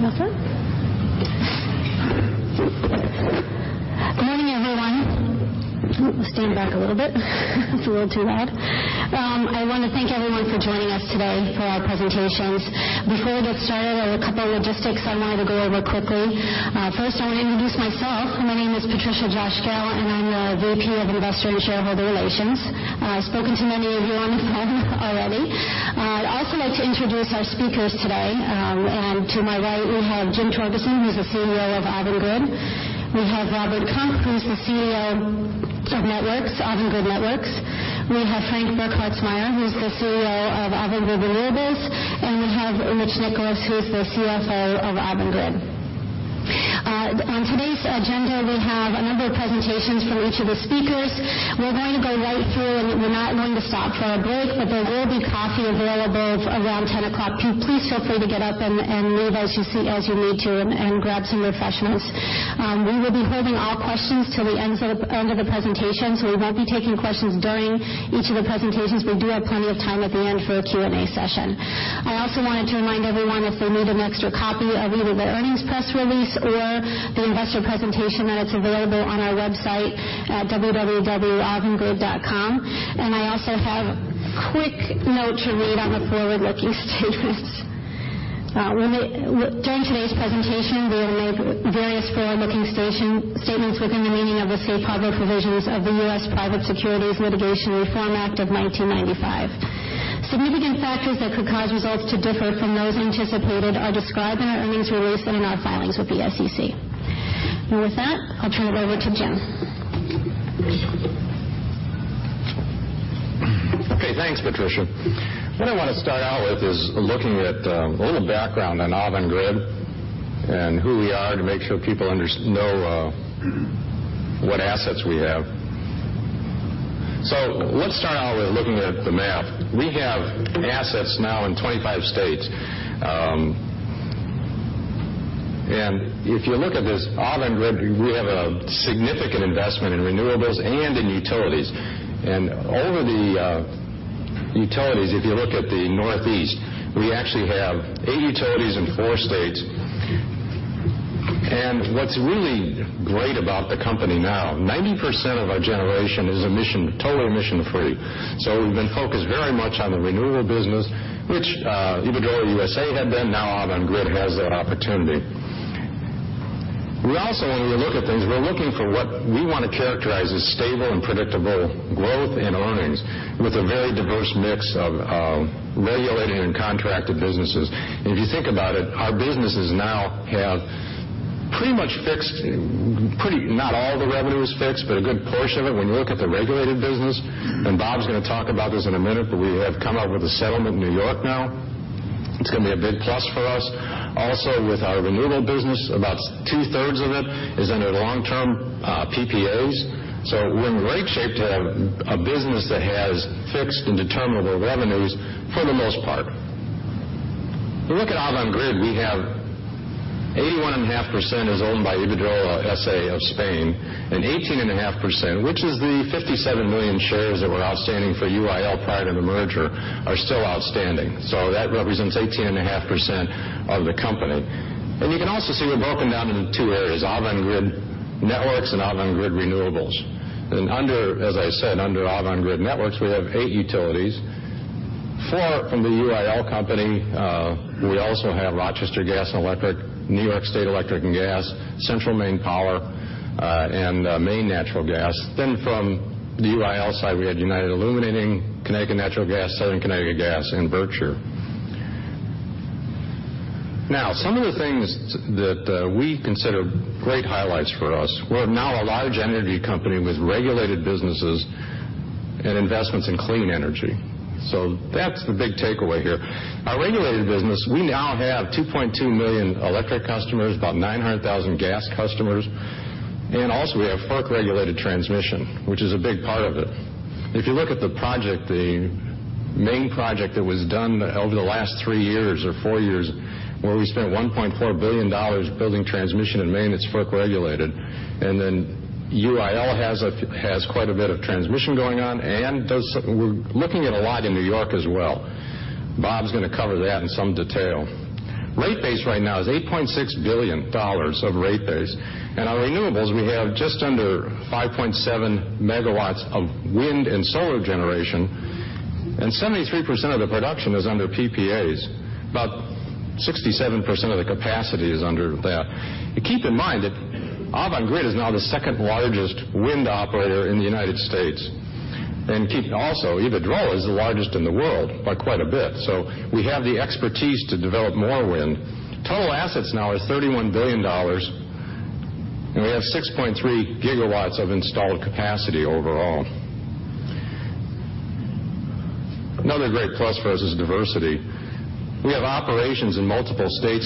Nothing? Good morning, everyone. I'll stand back a little bit. It's a little too loud. I want to thank everyone for joining us today for our presentations. Before we get started, there are a couple of logistics I wanted to go over quickly. First, I want to introduce myself. My name is Patricia Cosgel, and I'm the VP of Investor and Shareholder Relations. I've spoken to many of you on the phone already. I'd also like to introduce our speakers today. To my right, we have Jim Torgerson, who's the CEO of Avangrid. We have Bob Kump, who's the CEO of Networks, Avangrid Networks. We have Frank Burkhartsmeyer, who's the CEO of Avangrid Renewables, and we have Rich Nicholas, who's the CFO of Avangrid. On today's agenda, we have a number of presentations from each of the speakers. We're going to go right through, we're not going to stop for a break, there will be coffee available around 10:00 A.M. Please feel free to get up and leave as you see as you need to and grab some refreshments. We will be holding all questions till the end of the presentation. We won't be taking questions during each of the presentations. We do have plenty of time at the end for a Q&A session. I also wanted to remind everyone if they need an extra copy of either the earnings press release or the investor presentation, that it's available on our website at www.avangrid.com. I also have a quick note to read on the forward-looking statements. During today's presentation, we will make various forward-looking statements within the meaning of the safe harbor provisions of the U.S. Private Securities Litigation Reform Act of 1995. Significant factors that could cause results to differ from those anticipated are described in our earnings release and in our filings with the SEC. With that, I'll turn it over to Jim. Okay, thanks, Patricia. What I want to start out with is looking at a little background on Avangrid and who we are to make sure people know what assets we have. Let's start out with looking at the map. We have assets now in 25 states. If you look at this, Avangrid, we have a significant investment in renewables and in utilities. Over the utilities, if you look at the Northeast, we actually have eight utilities in four states. What's really great about the company now, 90% of our generation is totally emission-free. We've been focused very much on the renewable business, which Iberdrola USA had been. Now Avangrid has that opportunity. We also, when we look at things, we're looking for what we want to characterize as stable and predictable growth in earnings with a very diverse mix of regulated and contracted businesses. If you think about it, our businesses now have pretty much fixed, not all the revenue is fixed, but a good portion of it when you look at the regulated business. Bob's going to talk about this in a minute, but we have come up with a settlement in New York now. It is going to be a big plus for us. With our renewable business, about two-thirds of it is under long-term PPAs. We're in great shape to have a business that has fixed and determinable revenues for the most part. If you look at Avangrid, we have 81.5% is owned by Iberdrola, S.A. of Spain. 18.5%, which is the 57 million shares that were outstanding for UIL prior to the merger, are still outstanding. That represents 18.5% of the company. You can also see we are broken down into two areas, Avangrid Networks and Avangrid Renewables. As I said, under Avangrid Networks, we have eight utilities, four from the UIL company. We also have Rochester Gas and Electric, New York State Electric & Gas, Central Maine Power, and Maine Natural Gas. From the UIL side, we had United Illuminating, Connecticut Natural Gas, Southern Connecticut Gas, and Berkshire. Some of the things that we consider great highlights for us. We are now a large energy company with regulated businesses and investments in clean energy. That is the big takeaway here. Our regulated business, we now have 2.2 million electric customers, about 900,000 gas customers, and also we have FERC-regulated transmission, which is a big part of it. If you look at the project, the main project that was done over the last three years or four years, where we spent $1.4 billion building transmission in Maine, it is FERC-regulated. UIL has quite a bit of transmission going on. We are looking at a lot in New York as well. Bob is going to cover that in some detail. Rate base right now is $8.6 billion of rate base. Our renewables, we have just under 5.7 megawatts of wind and solar generation. 73% of the production is under PPAs. About 67% of the capacity is under that. Keep in mind that Avangrid is now the second-largest wind operator in the U.S. Also, Iberdrola is the largest in the world by quite a bit. We have the expertise to develop more wind. Total assets now is $31 billion. We have 6.3 gigawatts of installed capacity overall. Another great plus for us is diversity. We have operations in multiple states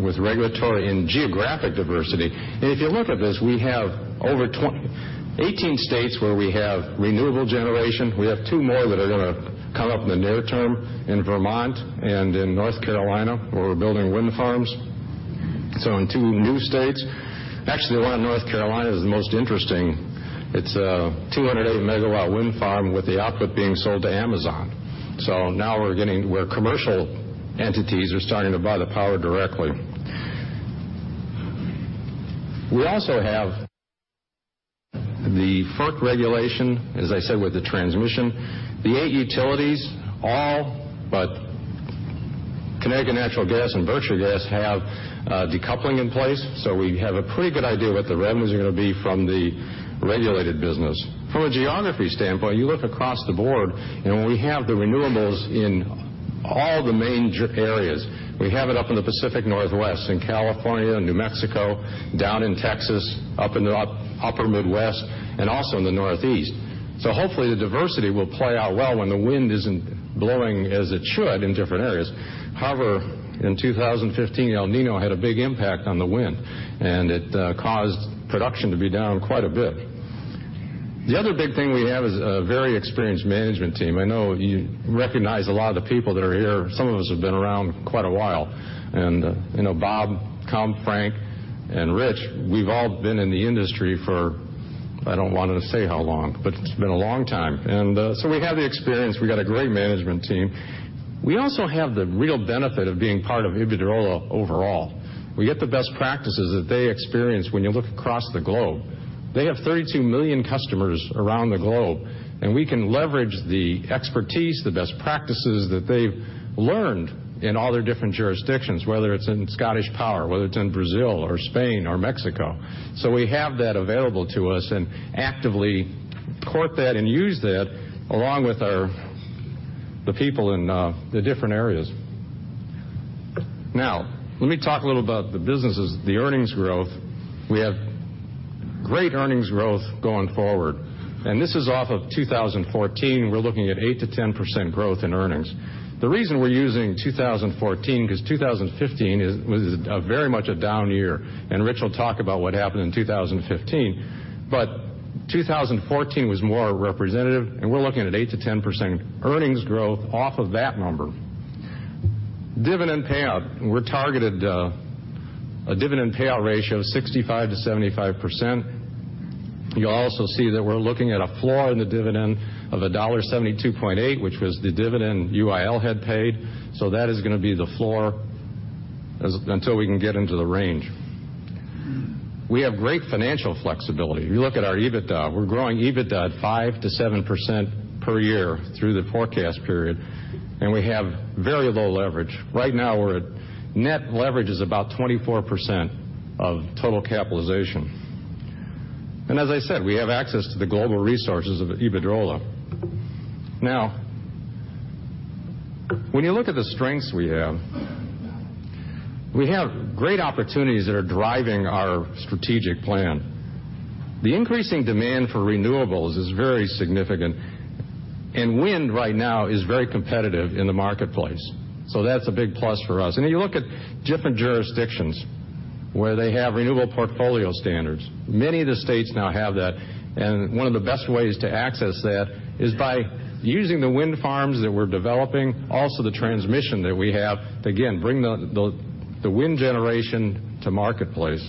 with regulatory and geographic diversity. If you look at this, we have over 18 states where we have renewable generation. We have two more that are going to come up in the near term in Vermont and in North Carolina, where we are building wind farms. In two new states. The one in North Carolina is the most interesting. It is a 208-megawatt wind farm with the output being sold to Amazon. Now we are getting where commercial entities are starting to buy the power directly. We also have the FERC regulation, as I said, with the transmission. The eight utilities, all but Connecticut Natural Gas and Berkshire Gas have decoupling in place. We have a pretty good idea what the revenues are going to be from the regulated business. From a geography standpoint, you look across the board, and we have the renewables in all the major areas. We have it up in the Pacific Northwest, in California, New Mexico, down in Texas, up in the upper Midwest, and also in the Northeast. Hopefully, the diversity will play out well when the wind isn't blowing as it should in different areas. However, in 2015, El Niño had a big impact on the wind, and it caused production to be down quite a bit. The other big thing we have is a very experienced management team. I know you recognize a lot of the people that are here. Some of us have been around quite a while. Bob, Tom, Frank, and Rich, we've all been in the industry for, I don't want to say how long, but it's been a long time. We have the experience. We've got a great management team. We also have the real benefit of being part of Iberdrola overall. We get the best practices that they experience when you look across the globe. They have 32 million customers around the globe, and we can leverage the expertise, the best practices that they've learned in all their different jurisdictions, whether it's in ScottishPower, whether it's in Brazil or Spain or Mexico. We have that available to us and actively court that and use that along with the people in the different areas. Let me talk a little about the businesses, the earnings growth. We have great earnings growth going forward. This is off of 2014. We're looking at 8%-10% growth in earnings. The reason we're using 2014 because 2015 was very much a down year, and Rich will talk about what happened in 2015. 2014 was more representative, and we're looking at 8%-10% earnings growth off of that number. Dividend payout. We're targeted a dividend payout ratio of 65%-75%. You also see that we're looking at a floor in the dividend of $1.728, which was the dividend UIL had paid. That is going to be the floor until we can get into the range. We have great financial flexibility. If you look at our EBITDA, we're growing EBITDA at 5%-7% per year through the forecast period, and we have very low leverage. Right now, we're at net leverage is about 24% of total capitalization. As I said, we have access to the global resources of Iberdrola. When you look at the strengths we have, we have great opportunities that are driving our strategic plan. The increasing demand for renewables is very significant, and wind right now is very competitive in the marketplace. That's a big plus for us. You look at different jurisdictions where they have renewable portfolio standards. Many of the states now have that, and one of the best ways to access that is by using the wind farms that we're developing, also the transmission that we have, again, bring the wind generation to marketplace.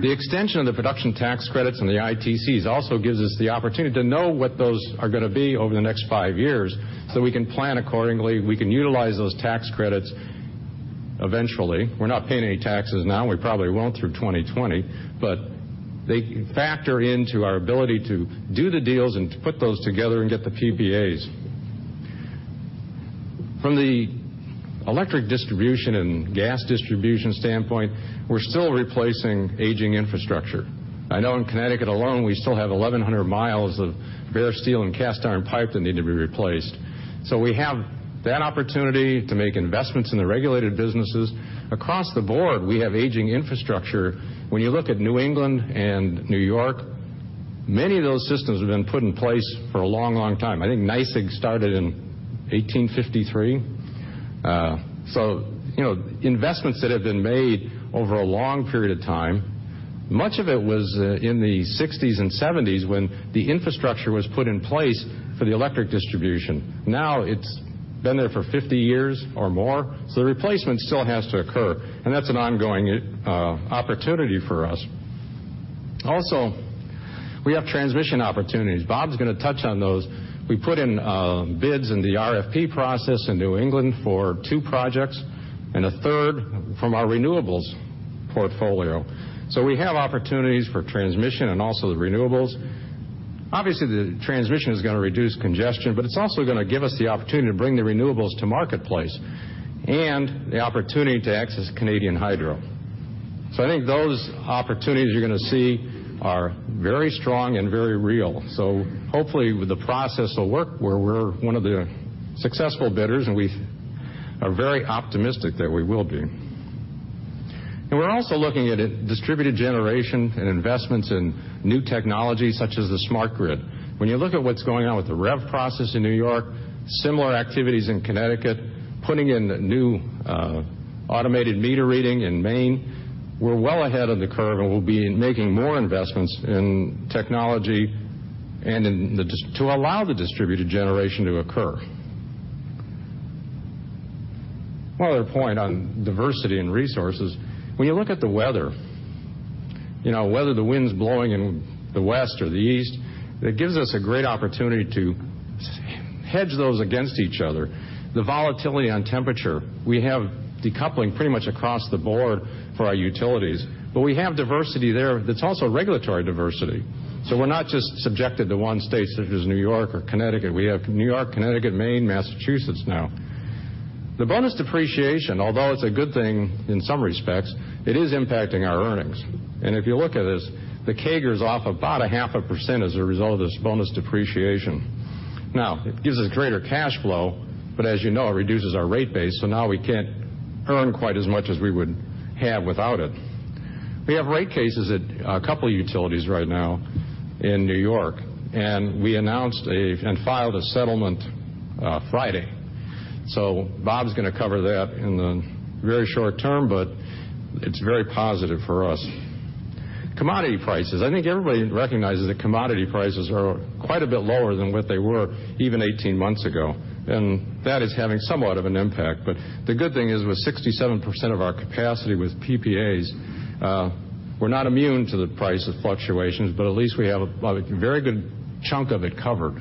The extension of the Production Tax Credits and the ITCs also gives us the opportunity to know what those are going to be over the next five years so we can plan accordingly. We can utilize those tax credits eventually. We're not paying any taxes now. We probably won't through 2020, but they factor into our ability to do the deals and to put those together and get the PPAs. From the electric distribution and gas distribution standpoint, we're still replacing aging infrastructure. I know in Connecticut alone, we still have 1,100 miles of bare steel and cast iron pipe that need to be replaced. We have that opportunity to make investments in the regulated businesses. Across the board, we have aging infrastructure. When you look at New England and New York, many of those systems have been put in place for a long, long time. I think NYSEG started in 1853. Investments that have been made over a long period of time, much of it was in the '60s and '70s when the infrastructure was put in place for the electric distribution. Now it's been there for 50 years or more, so the replacement still has to occur, and that's an ongoing opportunity for us. Also, we have transmission opportunities. Bob's going to touch on those. We put in bids in the RFP process in New England for two projects and a third from our renewables portfolio. We have opportunities for transmission and also the renewables. Obviously, the transmission is going to reduce congestion, but it's also going to give us the opportunity to bring the renewables to marketplace and the opportunity to access Canadian hydro. I think those opportunities you're going to see are very strong and very real. Hopefully, the process will work where we're one of the successful bidders, and we are very optimistic that we will be. We're also looking at distributed generation and investments in new technologies such as the smart grid. When you look at what's going on with the REV process in New York, similar activities in Connecticut, putting in new automated meter reading in Maine, we're well ahead of the curve, and we'll be making more investments in technology to allow the distributed generation to occur. One other point on diversity and resources. When you look at the weather, whether the wind's blowing in the west or the east, it gives us a great opportunity to hedge those against each other. The volatility on temperature, we have decoupling pretty much across the board for our utilities, but we have diversity there that's also regulatory diversity. We're not just subjected to one state, such as New York or Connecticut. We have New York, Connecticut, Maine, Massachusetts now. The bonus depreciation, although it's a good thing in some respects, it is impacting our earnings. If you look at this, the CAGR is off about a half a percent as a result of this bonus depreciation. Now, it gives us greater cash flow, but as you know, it reduces our rate base, so now we can't earn quite as much as we would have without it. We have rate cases at a couple utilities right now in New York, and we announced and filed a settlement Friday. Bob's going to cover that in the very short term, but it's very positive for us. Commodity prices. I think everybody recognizes that commodity prices are quite a bit lower than what they were even 18 months ago, and that is having somewhat of an impact. The good thing is, with 67% of our capacity with PPAs, we're not immune to the price of fluctuations, but at least we have a very good chunk of it covered.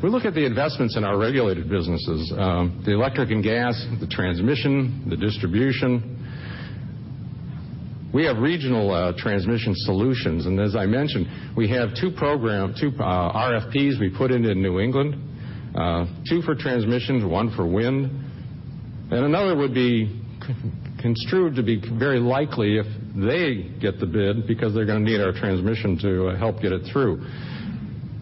We look at the investments in our regulated businesses, the electric and gas, the transmission, the distribution. We have regional transmission solutions. As I mentioned, we have two RFPs we put into New England, two for transmission, one for wind. Another would be construed to be very likely if they get the bid because they're going to need our transmission to help get it through.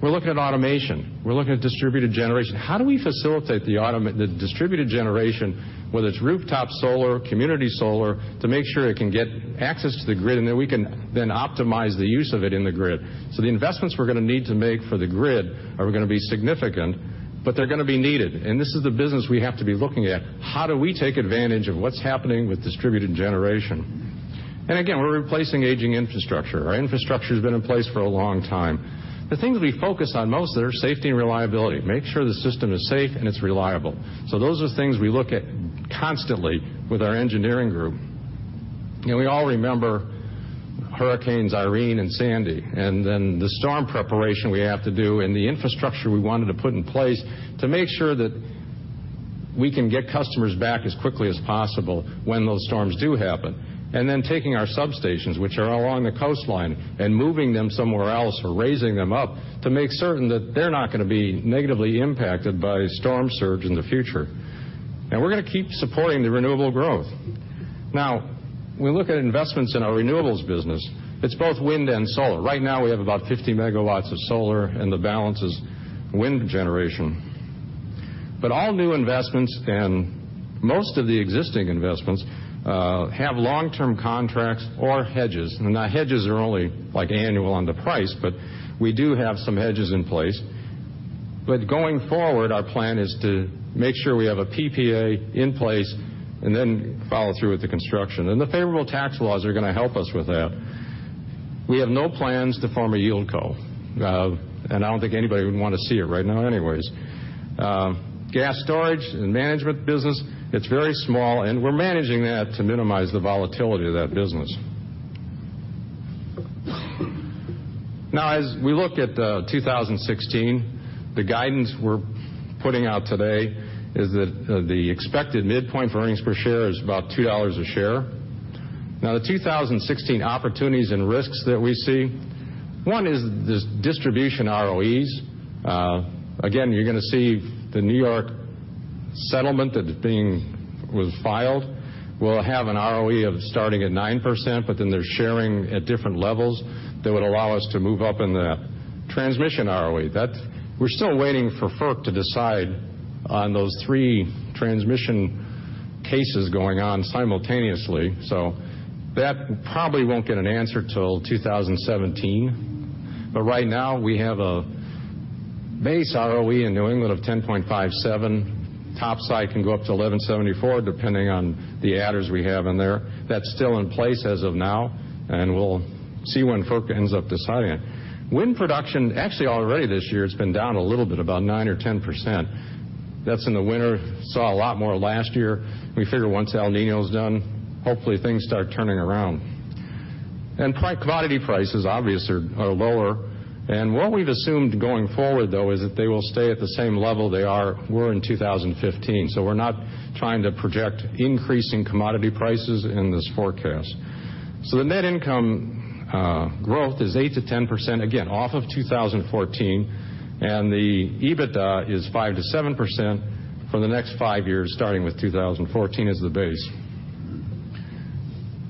We're looking at automation. We're looking at distributed generation. How do we facilitate the distributed generation, whether it's rooftop solar, community solar, to make sure it can get access to the grid, and that we can then optimize the use of it in the grid? The investments we're going to need to make for the grid are going to be significant, but they're going to be needed. This is the business we have to be looking at. How do we take advantage of what's happening with distributed generation? Again, we're replacing aging infrastructure. Our infrastructure's been in place for a long time. The thing that we focus on most there is safety and reliability, make sure the system is safe and it's reliable. Those are things we look at constantly with our engineering group. We all remember Hurricane Irene and Hurricane Sandy and then the storm preparation we have to do and the infrastructure we wanted to put in place to make sure that we can get customers back as quickly as possible when those storms do happen. Taking our substations, which are along the coastline, and moving them somewhere else or raising them up to make certain that they're not going to be negatively impacted by storm surge in the future. We're going to keep supporting the renewable growth. When we look at investments in our renewables business, it's both wind and solar. Right now, we have about 50 megawatts of solar, and the balance is wind generation. All new investments and most of the existing investments have long-term contracts or hedges. Hedges are only annual on the price, but we do have some hedges in place. Going forward, our plan is to make sure we have a PPA in place and then follow through with the construction. The favorable tax laws are going to help us with that. We have no plans to form a yieldco, I don't think anybody would want to see it right now anyways. Gas storage and management business, it's very small, we're managing that to minimize the volatility of that business. As we look at 2016, the guidance we're putting out today is that the expected midpoint for earnings per share is about $2 a share. The 2016 opportunities and risks that we see, one is this distribution ROEs. Again, you're going to see the New York settlement that was filed will have an ROE of starting at 9%, but then they're sharing at different levels that would allow us to move up in the transmission ROE. We're still waiting for FERC to decide on those three transmission cases going on simultaneously. That probably won't get an answer till 2017. Right now we have a base ROE in New England of 10.57%. Top side can go up to 11.74% depending on the adders we have in there. That's still in place as of now, and we'll see when FERC ends up deciding. Wind production actually already this year has been down a little bit, about 9% or 10%. That's in the winter. Saw a lot more last year. We figure once El Niño's done, hopefully things start turning around. Commodity prices obviously are lower. What we've assumed going forward, though, is that they will stay at the same level they were in 2015. We're not trying to project increasing commodity prices in this forecast. The net income growth is 8%-10%, again, off of 2014. The EBITDA is 5%-7% for the next five years, starting with 2014 as the base.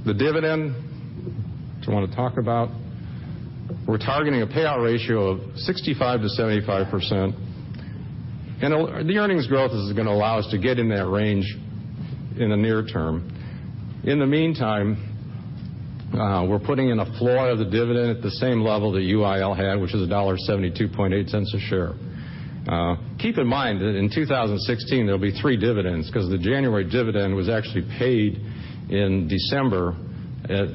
The dividend, which I want to talk about, we're targeting a payout ratio of 65%-75%. The earnings growth is going to allow us to get in that range in the near term. In the meantime, we're putting in a floor of the dividend at the same level that UIL had, which is $1.728 a share. Keep in mind that in 2016, there'll be three dividends because the January dividend was actually paid in December.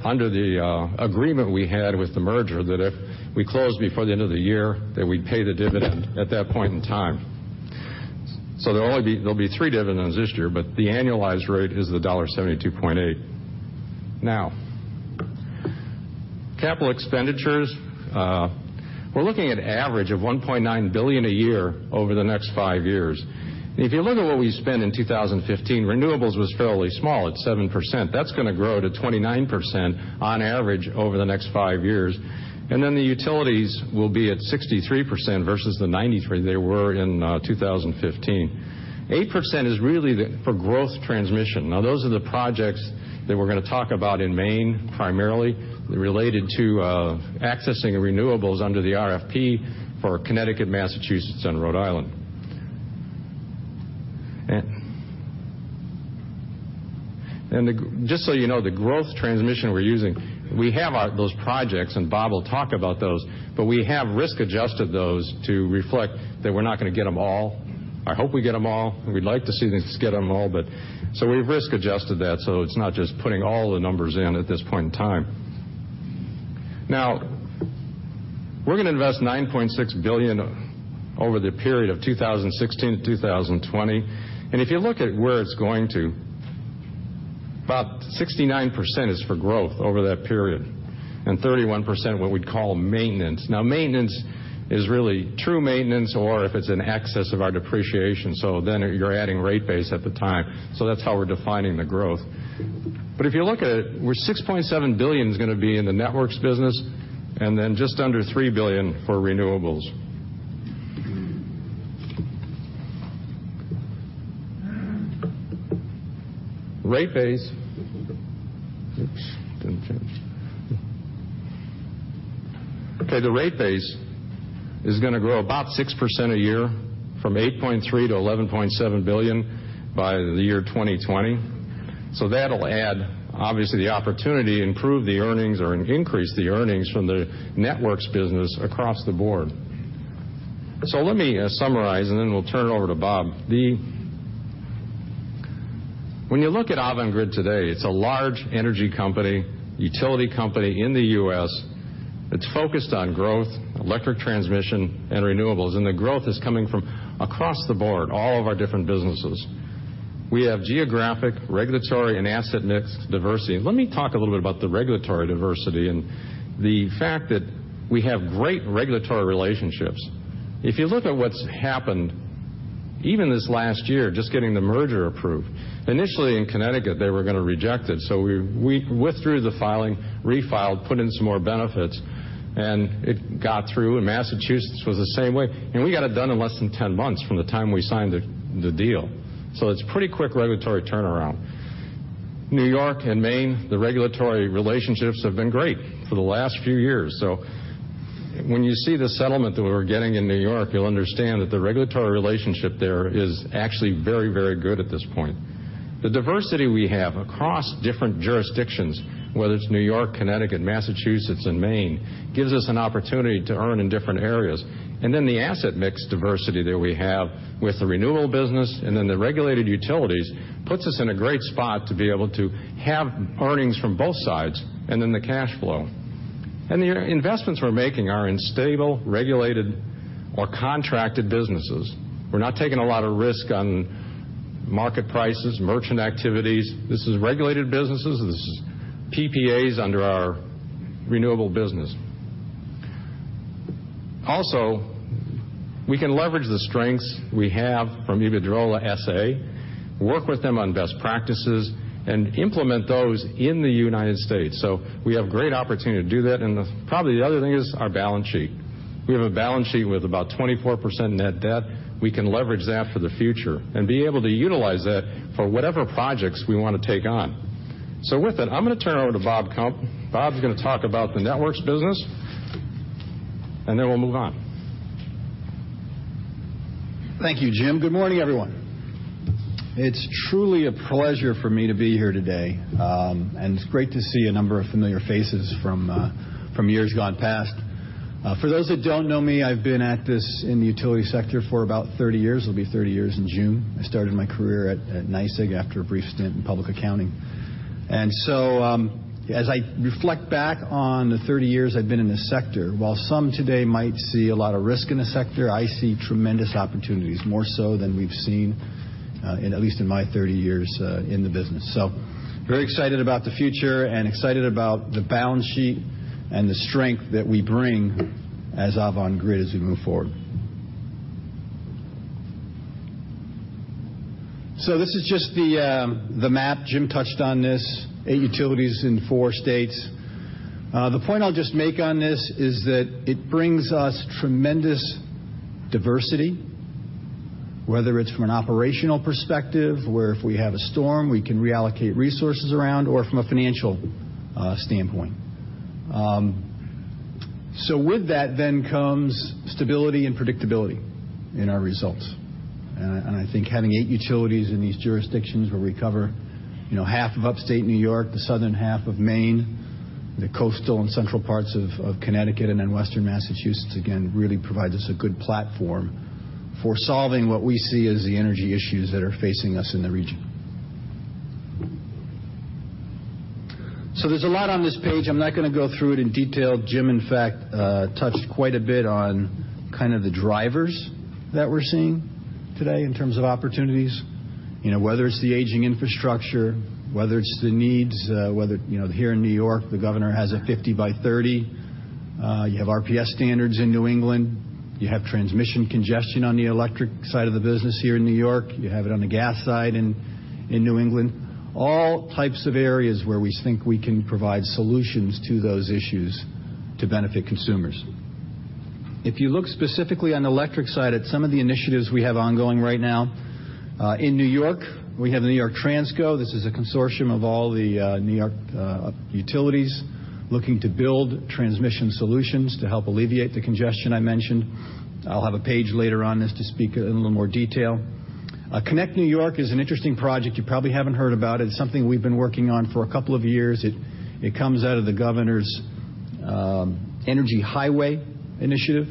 Under the agreement we had with the merger that if we closed before the end of the year, that we'd pay the dividend at that point in time. There'll be three dividends this year, but the annualized rate is $1.728. Capital expenditures, we're looking at average of $1.9 billion a year over the next five years. If you look at what we spent in 2015, renewables was fairly small at 7%. That's going to grow to 29% on average over the next five years. The utilities will be at 63% versus the 93% they were in 2015. 8% is really for growth transmission. Those are the projects that we're going to talk about in Maine, primarily related to accessing renewables under the RFP for Connecticut, Massachusetts, and Rhode Island. Just so you know, the growth transmission we're using, we have those projects, and Bob will talk about those, but we have risk-adjusted those to reflect that we're not going to get them all. I hope we get them all, and we'd like to see us get them all, but we've risk-adjusted that, so it's not just putting all the numbers in at this point in time. We're going to invest $9.6 billion over the period of 2016 to 2020. If you look at where it's going to, about 69% is for growth over that period, and 31% what we'd call maintenance. Maintenance is really true maintenance or if it's in excess of our depreciation, so then you're adding rate base at the time. That's how we're defining the growth. If you look at it, where $6.7 billion is going to be in the networks business and then just under $3 billion for renewables. Rate base. Oops, didn't change. The rate base is going to grow about 6% a year from $8.3 billion-$11.7 billion by the year 2020. That'll add, obviously, the opportunity to improve the earnings or increase the earnings from the networks business across the board. Let me summarize, and then we'll turn it over to Bob. When you look at Avangrid today, it's a large energy company, utility company in the U.S. that's focused on growth, electric transmission, and renewables. The growth is coming from across the board, all of our different businesses. We have geographic, regulatory, and asset mix diversity. Let me talk a little bit about the regulatory diversity and the fact that we have great regulatory relationships. If you look at what's happened, even this last year, just getting the merger approved. Initially in Connecticut, they were going to reject it. We withdrew the filing, refiled, put in some more benefits, and it got through, Massachusetts was the same way. We got it done in less than 10 months from the time we signed the deal. It's a pretty quick regulatory turnaround. New York and Maine, the regulatory relationships have been great for the last few years. When you see the settlement that we're getting in New York, you'll understand that the regulatory relationship there is actually very, very good at this point. The diversity we have across different jurisdictions, whether it's New York, Connecticut, Massachusetts, and Maine, gives us an opportunity to earn in different areas. The asset mix diversity that we have with the renewable business and the regulated utilities puts us in a great spot to be able to have earnings from both sides, and the cash flow. The investments we're making are in stable, regulated, or contracted businesses. We're not taking a lot of risk on market prices, merchant activities. This is regulated businesses. This is PPAs under our renewable business. Also, we can leverage the strengths we have from Iberdrola, S.A., work with them on best practices, and implement those in the U.S. We have great opportunity to do that. Probably the other thing is our balance sheet. We have a balance sheet with about 24% net debt. We can leverage that for the future and be able to utilize that for whatever projects we want to take on. With it, I'm going to turn it over to Bob Kump. Bob's going to talk about the networks business, and then we'll move on. Thank you, Jim. Good morning, everyone. It's truly a pleasure for me to be here today. It's great to see a number of familiar faces from years gone past. For those that don't know me, I've been at this in the utility sector for about 30 years. It'll be 30 years in June. I started my career at NYSEG after a brief stint in public accounting. As I reflect back on the 30 years I've been in this sector, while some today might see a lot of risk in the sector, I see tremendous opportunities, more so than we've seen in at least in my 30 years in the business. Very excited about the future and excited about the balance sheet and the strength that we bring as Avangrid as we move forward. This is just the map. Jim touched on this, eight utilities in four states. The point I'll just make on this is that it brings us tremendous diversity, whether it's from an operational perspective, where if we have a storm, we can reallocate resources around or from a financial standpoint. With that then comes stability and predictability in our results. I think having eight utilities in these jurisdictions where we cover half of Upstate New York, the southern half of Maine, the coastal and central parts of Connecticut and then western Massachusetts, again, really provide us a good platform for solving what we see as the energy issues that are facing us in the region. There's a lot on this page. I'm not going to go through it in detail. Jim, in fact, touched quite a bit on the drivers that we're seeing today in terms of opportunities. Whether it's the aging infrastructure, whether it's the needs, whether, here in N.Y., the governor has a 50 by 30. You have RPS standards in New England. You have transmission congestion on the electric side of the business here in N.Y. You have it on the gas side in New England. All types of areas where we think we can provide solutions to those issues to benefit consumers. If you look specifically on the electric side at some of the initiatives we have ongoing right now. In N.Y., we have the New York Transco. This is a consortium of all the N.Y. utilities looking to build transmission solutions to help alleviate the congestion I mentioned. I'll have a page later on this to speak in a little more detail. Connect New York is an interesting project you probably haven't heard about. It's something we've been working on for a couple of years. It comes out of the governor's Energy Highway Initiative.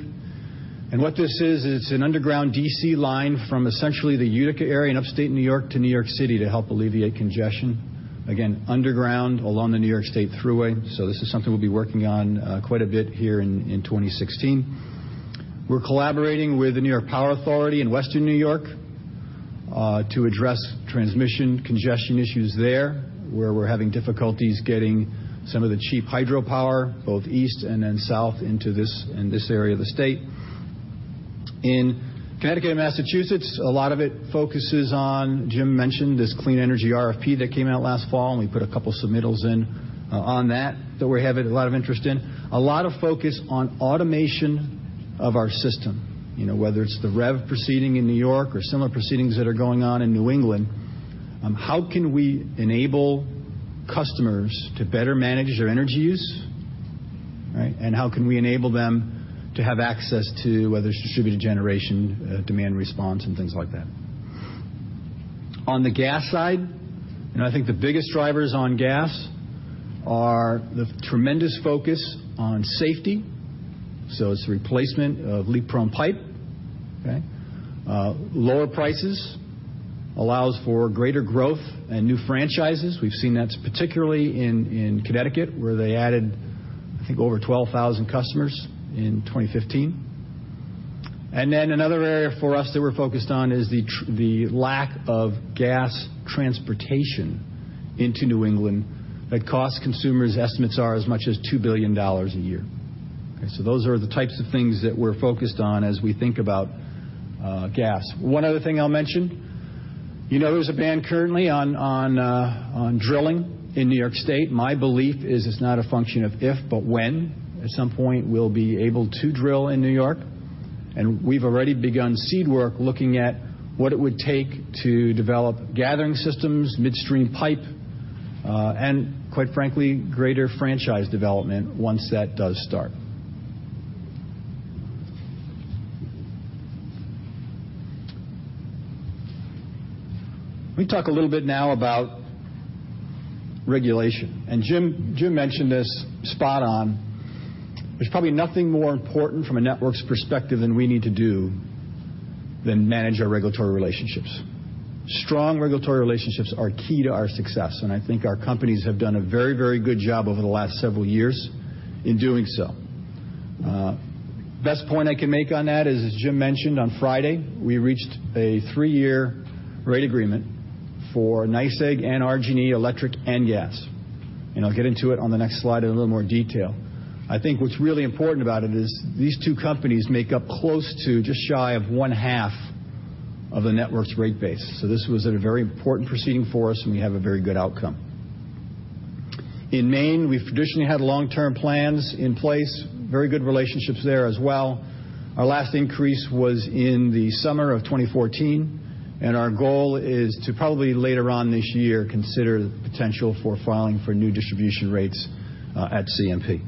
What this is is it's an underground DC line from essentially the Utica area in Upstate New York to New York City to help alleviate congestion. Again, underground along the New York State Thruway. This is something we'll be working on quite a bit here in 2016. We're collaborating with the New York Power Authority in Western New York to address transmission congestion issues there, where we're having difficulties getting some of the cheap hydropower, both east and then south into this area of the state. In Connecticut and Massachusetts, a lot of it focuses on, Jim mentioned, this clean energy RFP that came out last fall, and we put a couple submittals in on that we have a lot of interest in. A lot of focus on automation of our system, whether it's the REV proceeding in N.Y. or similar proceedings that are going on in New England. How can we enable customers to better manage their energy use, right? How can we enable them to have access to whether it's distributed generation, demand response, and things like that. On the gas side, I think the biggest drivers on gas are the tremendous focus on safety. It's the replacement of leak-prone pipe, okay? Lower prices allows for greater growth and new franchises. We've seen that particularly in Connecticut, where they added, I think, over 12,000 customers in 2015. Then another area for us that we're focused on is the lack of gas transportation into New England that costs consumers, estimates are, as much as $2 billion a year. Those are the types of things that we're focused on as we think about gas. One other thing I'll mention. You know there's a ban currently on drilling in New York State. My belief is it's not a function of if but when. At some point, we'll be able to drill in New York, and we've already begun seed work looking at what it would take to develop gathering systems, midstream pipe, and quite frankly, greater franchise development once that does start. Let me talk a little bit now about regulation. Jim mentioned this spot on. There's probably nothing more important from a networks perspective than we need to do than manage our regulatory relationships. Strong regulatory relationships are key to our success, and I think our companies have done a very good job over the last several years in doing so. Best point I can make on that is, as Jim mentioned on Friday, we reached a 3-year rate agreement for NYSEG and RG&E electric and gas. I'll get into it on the next slide in a little more detail. I think what's really important about it is these two companies make up close to just shy of one-half of the network's rate base. This was a very important proceeding for us, and we have a very good outcome. In Maine, we've traditionally had long-term plans in place, very good relationships there as well. Our last increase was in the summer of 2014, and our goal is to probably later on this year, consider the potential for filing for new distribution rates at CMP.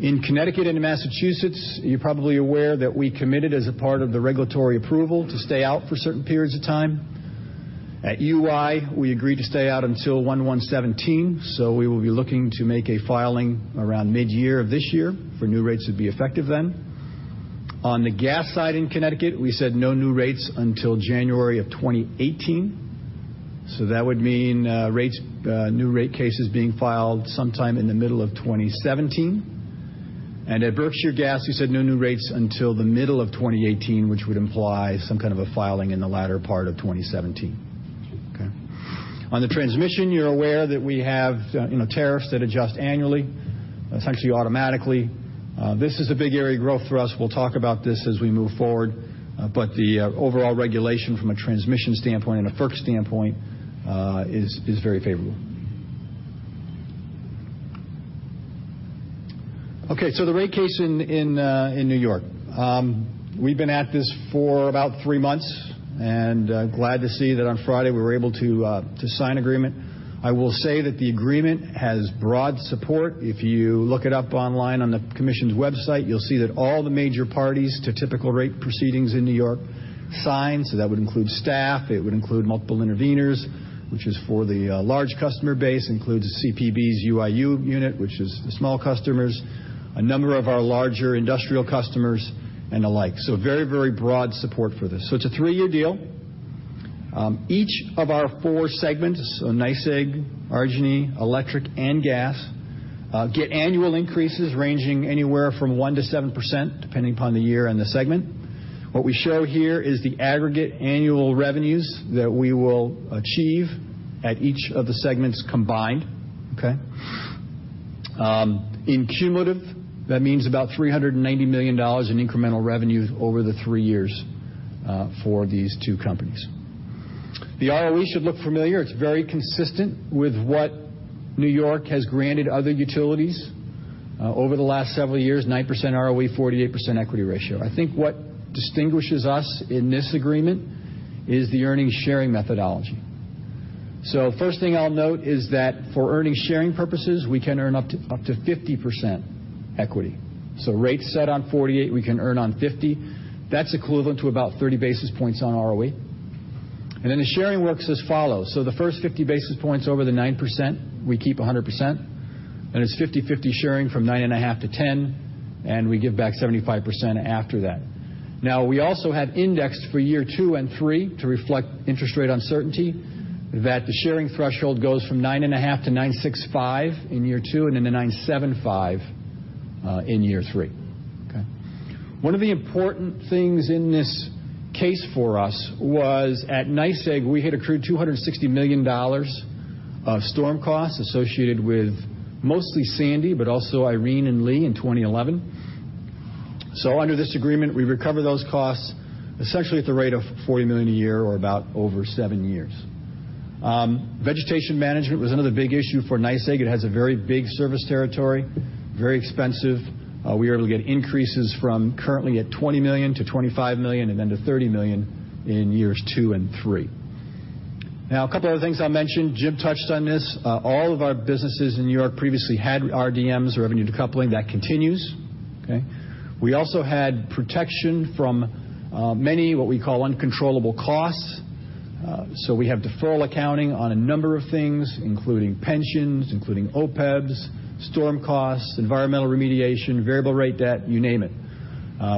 In Connecticut and Massachusetts, you're probably aware that we committed as a part of the regulatory approval to stay out for certain periods of time. At UI, we agreed to stay out until 1/1/2017, we will be looking to make a filing around mid-year of this year for new rates to be effective then. On the gas side in Connecticut, we said no new rates until January of 2018. That would mean new rate cases being filed sometime in the middle of 2017. At Berkshire Gas, we said no new rates until the middle of 2018, which would imply some kind of a filing in the latter part of 2017. On the transmission, you're aware that we have tariffs that adjust annually, essentially automatically. This is a big area of growth for us. We'll talk about this as we move forward. The overall regulation from a transmission standpoint and a FERC standpoint is very favorable. The rate case in New York. We've been at this for about three months, glad to see that on Friday, we were able to sign agreement. I will say that the agreement has broad support. If you look it up online on the commission's website, you'll see that all the major parties to typical rate proceedings in New York signed. That would include staff, it would include multiple interveners, which is for the large customer base, includes CPB's UIU unit, which is the small customers, a number of our larger industrial customers, and the like. Very broad support for this. It's a 3-year deal. Each of our four segments, so NYSEG, RG&E, Electric, and Gas, get annual increases ranging anywhere from 1%-7%, depending upon the year and the segment. What we show here is the aggregate annual revenues that we will achieve at each of the segments combined. In cumulative, that means about $390 million in incremental revenues over the three years for these two companies. The ROE should look familiar. It's very consistent with what New York has granted other utilities over the last several years, 9% ROE, 48% equity ratio. I think what distinguishes us in this agreement is the earnings sharing methodology. First thing I'll note is that for earnings sharing purposes, we can earn up to 50% equity. Rates set on 48, we can earn on 50. That's equivalent to about 30 basis points on ROE. The sharing works as follows. The first 50 basis points over the 9%, we keep 100%, and it's 50/50 sharing from 9.5 to 10, and we give back 75% after that. We also have indexed for year two and three to reflect interest rate uncertainty, that the sharing threshold goes from 9.5 to 9.65 in year two, and then to 9.75 in year three. One of the important things in this case for us was at NYSEG, we had accrued $260 million of storm costs associated with mostly Sandy, but also Irene and Lee in 2011. Under this agreement, we recover those costs essentially at the rate of $40 million a year or about over seven years. Vegetation management was another big issue for NYSEG. It has a very big service territory, very expensive. We are able to get increases from currently at $20 million to $25 million, and then to $30 million in years two and three. A couple of other things I'll mention. Jim touched on this. All of our businesses in New York previously had RDMs or revenue decoupling. That continues. We also had protection from many, what we call uncontrollable costs. We have deferral accounting on a number of things, including pensions, including OPEBs, storm costs, environmental remediation, variable rate debt, you name it.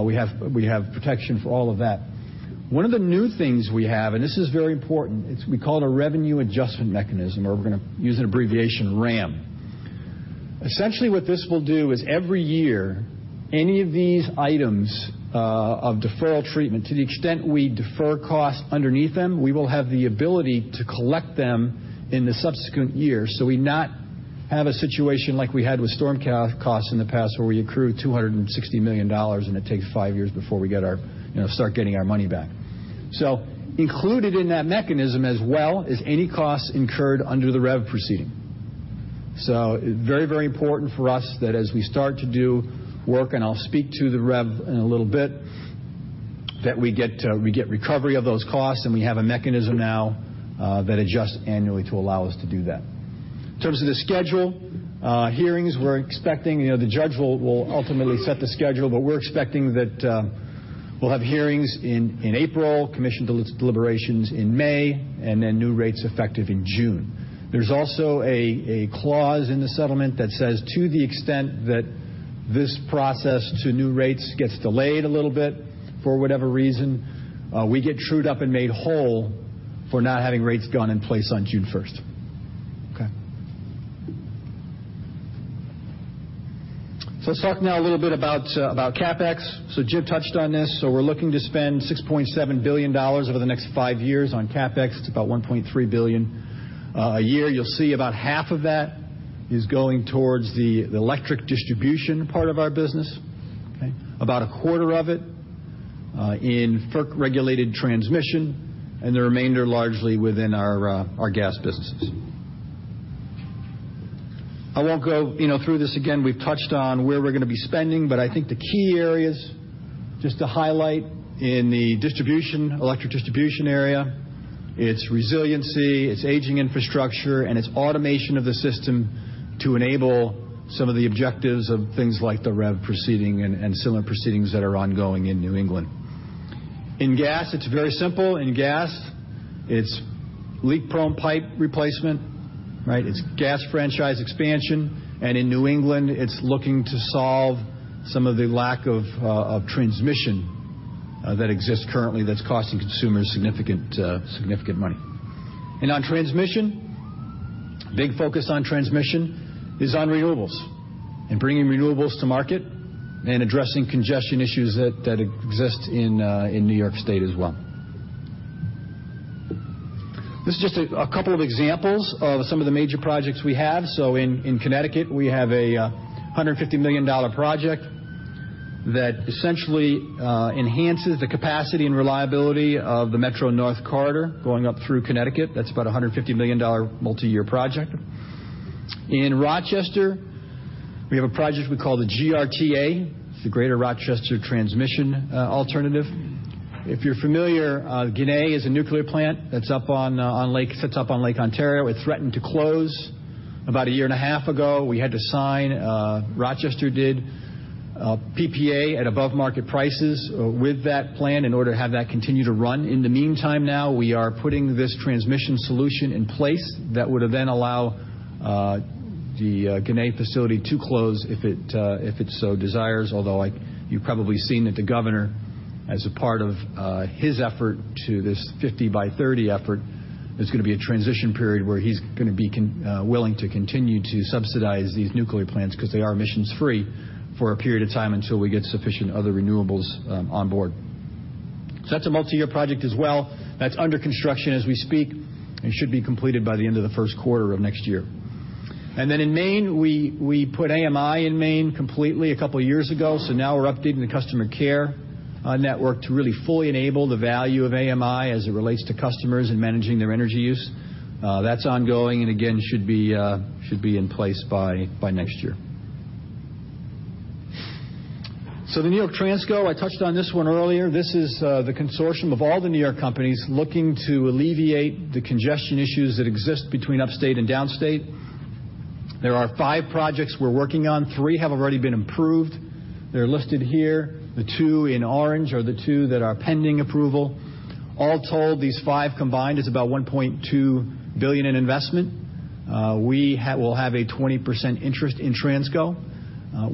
We have protection for all of that. One of the new things we have, and this is very important, we call it a revenue adjustment mechanism, or we're going to use an abbreviation, RAM. Essentially, what this will do is every year, any of these items of deferral treatment, to the extent we defer costs underneath them, we will have the ability to collect them in the subsequent years, so we not have a situation like we had with storm costs in the past where we accrue $260 million, and it takes five years before we start getting our money back. Included in that mechanism as well is any cost incurred under the REV proceeding. Very, very important for us that as we start to do work, and I'll speak to the REV in a little bit, that we get recovery of those costs, and we have a mechanism now that adjusts annually to allow us to do that. In terms of the schedule, hearings, we're expecting the judge will ultimately set the schedule, but we're expecting that we'll have hearings in April, commission deliberations in May, and then new rates effective in June. There's also a clause in the settlement that says to the extent that this process to new rates gets delayed a little bit, for whatever reason, we get trued up and made whole for not having rates gone in place on June 1st. Let's talk now a little bit about CapEx. Jim touched on this. We're looking to spend $6.7 billion over the next 5 years on CapEx. It's about $1.3 billion a year. You'll see about half of that is going towards the electric distribution part of our business. About a quarter of it in FERC-regulated transmission, and the remainder largely within our gas businesses. I won't go through this again. We've touched on where we're going to be spending, but I think the key areas, just to highlight in the electric distribution area, it's resiliency, it's aging infrastructure, and it's automation of the system to enable some of the objectives of things like the REV proceeding and similar proceedings that are ongoing in New England. In gas, it's very simple. In gas, it's leak-prone pipe replacement. It's gas franchise expansion. In New England, it's looking to solve some of the lack of transmission that exists currently that's costing consumers significant money. On transmission, big focus on transmission is on renewables and bringing renewables to market and addressing congestion issues that exist in New York State as well. This is just a couple of examples of some of the major projects we have. In Connecticut, we have a $150 million project that essentially enhances the capacity and reliability of the Metro-North Corridor going up through Connecticut. That's about a $150 million multi-year project. In Rochester, we have a project we call the GRTA. It's the Greater Rochester Transmission Alternative. If you're familiar, Ginna is a nuclear plant that sits up on Lake Ontario. It threatened to close about a year and a half ago. We had to sign, Rochester did, PPA at above market prices with that plant in order to have that continue to run. We are putting this transmission solution in place that would allow the Ginna facility to close if it so desires. Although you've probably seen that the governor, as a part of his effort to this 50 by 30 effort, there's going to be a transition period where he's going to be willing to continue to subsidize these nuclear plants because they are emissions-free, for a period of time until we get sufficient other renewables on board. That's a multi-year project as well. That's under construction as we speak, and should be completed by the end of the first quarter of next year. In Maine, we put AMI in Maine completely a couple of years ago, now we're updating the customer care network to really fully enable the value of AMI as it relates to customers and managing their energy use. That's ongoing and again, should be in place by next year. The New York Transco, I touched on this one earlier. This is the consortium of all the New York companies looking to alleviate the congestion issues that exist between upstate and downstate. There are five projects we're working on. Three have already been approved. They're listed here. The two in orange are the two that are pending approval. All told, these five combined is about $1.2 billion in investment. We will have a 20% interest in Transco.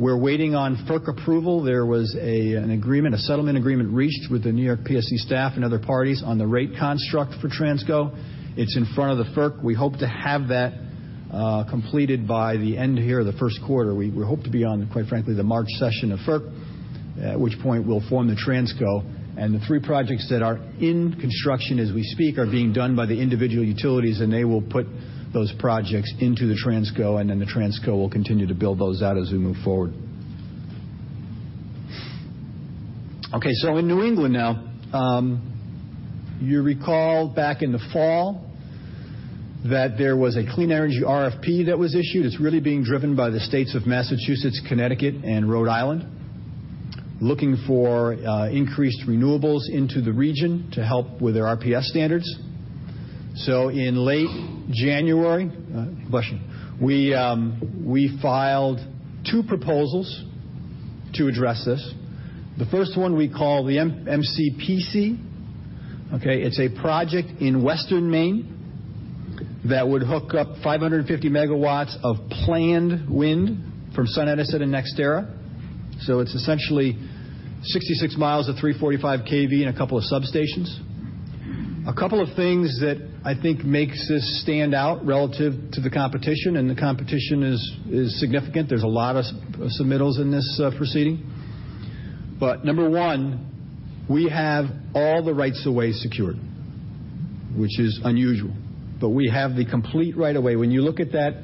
We're waiting on FERC approval. There was an agreement, a settlement agreement reached with the New York PSC staff and other parties on the rate construct for Transco. It's in front of the FERC. We hope to have that completed by the end here of the first quarter. We hope to be on, quite frankly, the March session of FERC, at which point we'll form the Transco. The three projects that are in construction as we speak are being done by the individual utilities. They will put those projects into the Transco. The Transco will continue to build those out as we move forward. In New England now. You recall back in the fall that there was a clean energy RFP that was issued. It's really being driven by the states of Massachusetts, Connecticut and Rhode Island, looking for increased renewables into the region to help with their RPS standards. In late January, question, we filed two proposals to address this. The first one we call the MCPC. It's a project in western Maine that would hook up 550 megawatts of planned wind from SunEdison and NextEra. It's essentially 66 miles of 345 kV and a couple of substations. A couple of things that I think makes this stand out relative to the competition. The competition is significant. There's a lot of submittals in this proceeding. Number one, we have all the rights of way secured, which is unusual. We have the complete right of way. When you look at that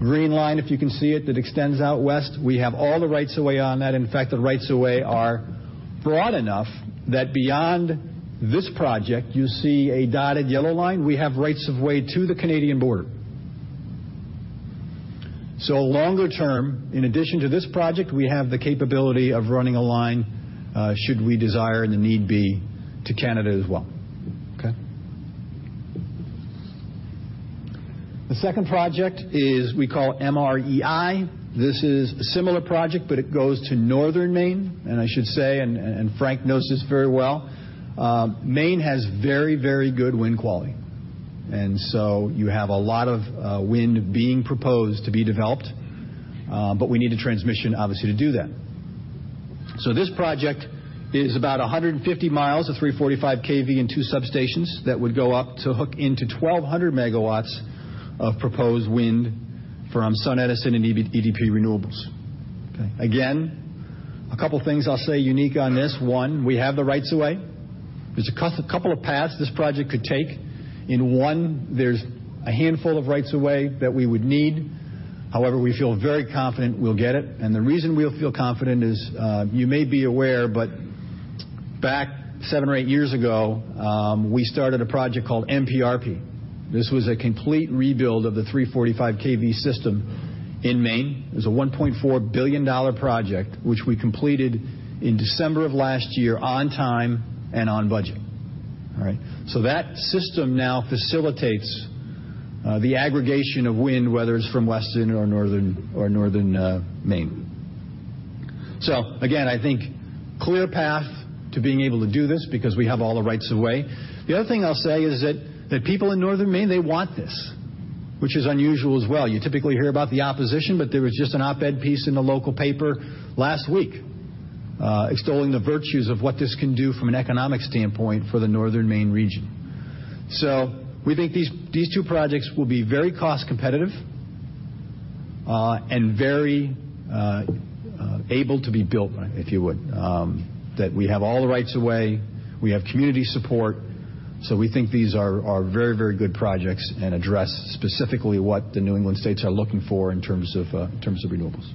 green line, if you can see it, that extends out west, we have all the rights of way on that. In fact, the rights of way are broad enough that beyond this project, you see a dotted yellow line. We have rights of way to the Canadian border. Longer term, in addition to this project, we have the capability of running a line, should we desire and the need be, to Canada as well. The second project we call MREI. This is a similar project, but it goes to northern Maine. I should say, Frank knows this very well, Maine has very good wind quality. You have a lot of wind being proposed to be developed. We need a transmission, obviously, to do that. This project is about 150 miles of 345 kV and two substations that would go up to hook into 1,200 megawatts of proposed wind from SunEdison and EDP Renewables. Again, a couple things I'll say unique on this. One, we have the rights of way. There's a couple of paths this project could take. In one, there's a handful of rights of way that we would need. However, we feel very confident we'll get it. The reason we'll feel confident is, you may be aware, but back seven or eight years ago, we started a project called MPRP. This was a complete rebuild of the 345 kV system in Maine. It was a $1.4 billion project, which we completed in December of last year on time and on budget. All right. That system now facilitates the aggregation of wind, whether it's from western or northern Maine. Again, I think clear path to being able to do this because we have all the rights of way. The other thing I'll say is that people in northern Maine, they want this, which is unusual as well. You typically hear about the opposition, but there was just an op-ed piece in the local paper last week extolling the virtues of what this can do from an economic standpoint for the northern Maine region. We think these two projects will be very cost competitive and very able to be built, if you would. That we have all the rights of way. We have community support. We think these are very good projects and address specifically what the New England states are looking for in terms of renewables.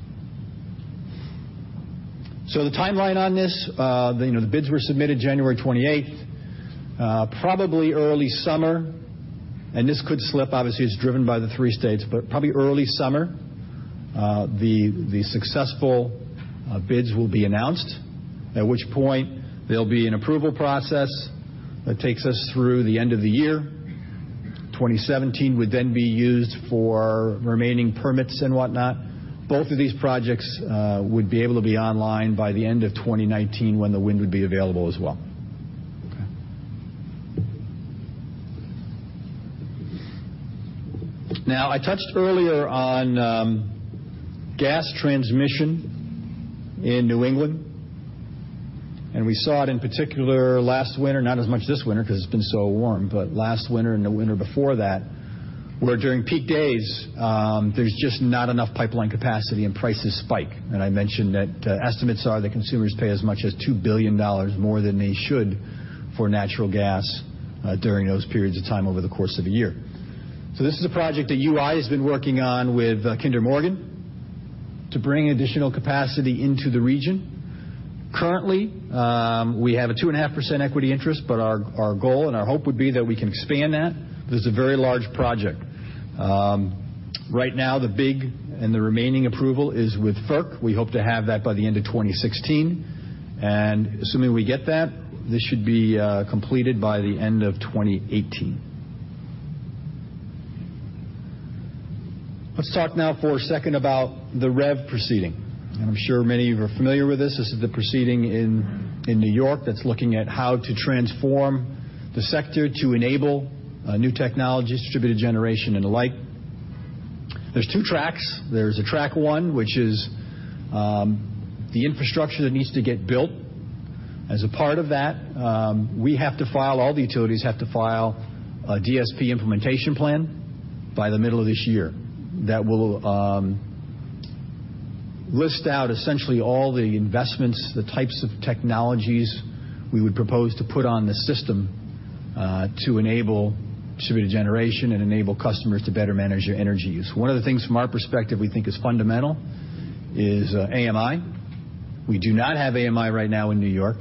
The timeline on this, the bids were submitted January 28th. Probably early summer, and this could slip. Obviously, it's driven by the three states, but probably early summer the successful bids will be announced, at which point there'll be an approval process that takes us through the end of the year. 2017 would be used for remaining permits and whatnot. Both of these projects would be able to be online by the end of 2019 when the wind would be available as well. Now, I touched earlier on gas transmission in New England. We saw it in particular last winter, not as much this winter because it's been so warm, but last winter and the winter before that, where during peak days, there's just not enough pipeline capacity and prices spike. I mentioned that estimates are that consumers pay as much as $2 billion more than they should for natural gas during those periods of time over the course of a year. This is a project that UI has been working on with Kinder Morgan to bring additional capacity into the region. Currently, we have a 2.5% equity interest, but our goal and our hope would be that we can expand that. This is a very large project. Right now, the big and remaining approval is with FERC. We hope to have that by the end of 2016. Assuming we get that, this should be completed by the end of 2018. Let's talk now for a second about the REV proceeding. I'm sure many of you are familiar with this. This is the proceeding in New York that's looking at how to transform the sector to enable new technologies, distributed generation, and the like. There's two tracks. There's a track one, which is the infrastructure that needs to get built. As a part of that, we have to file, all the utilities have to file, a DSP implementation plan by the middle of this year. That will list out essentially all the investments, the types of technologies we would propose to put on the system to enable distributed generation and enable customers to better manage their energy use. One of the things from our perspective we think is fundamental is AMI. We do not have AMI right now in New York.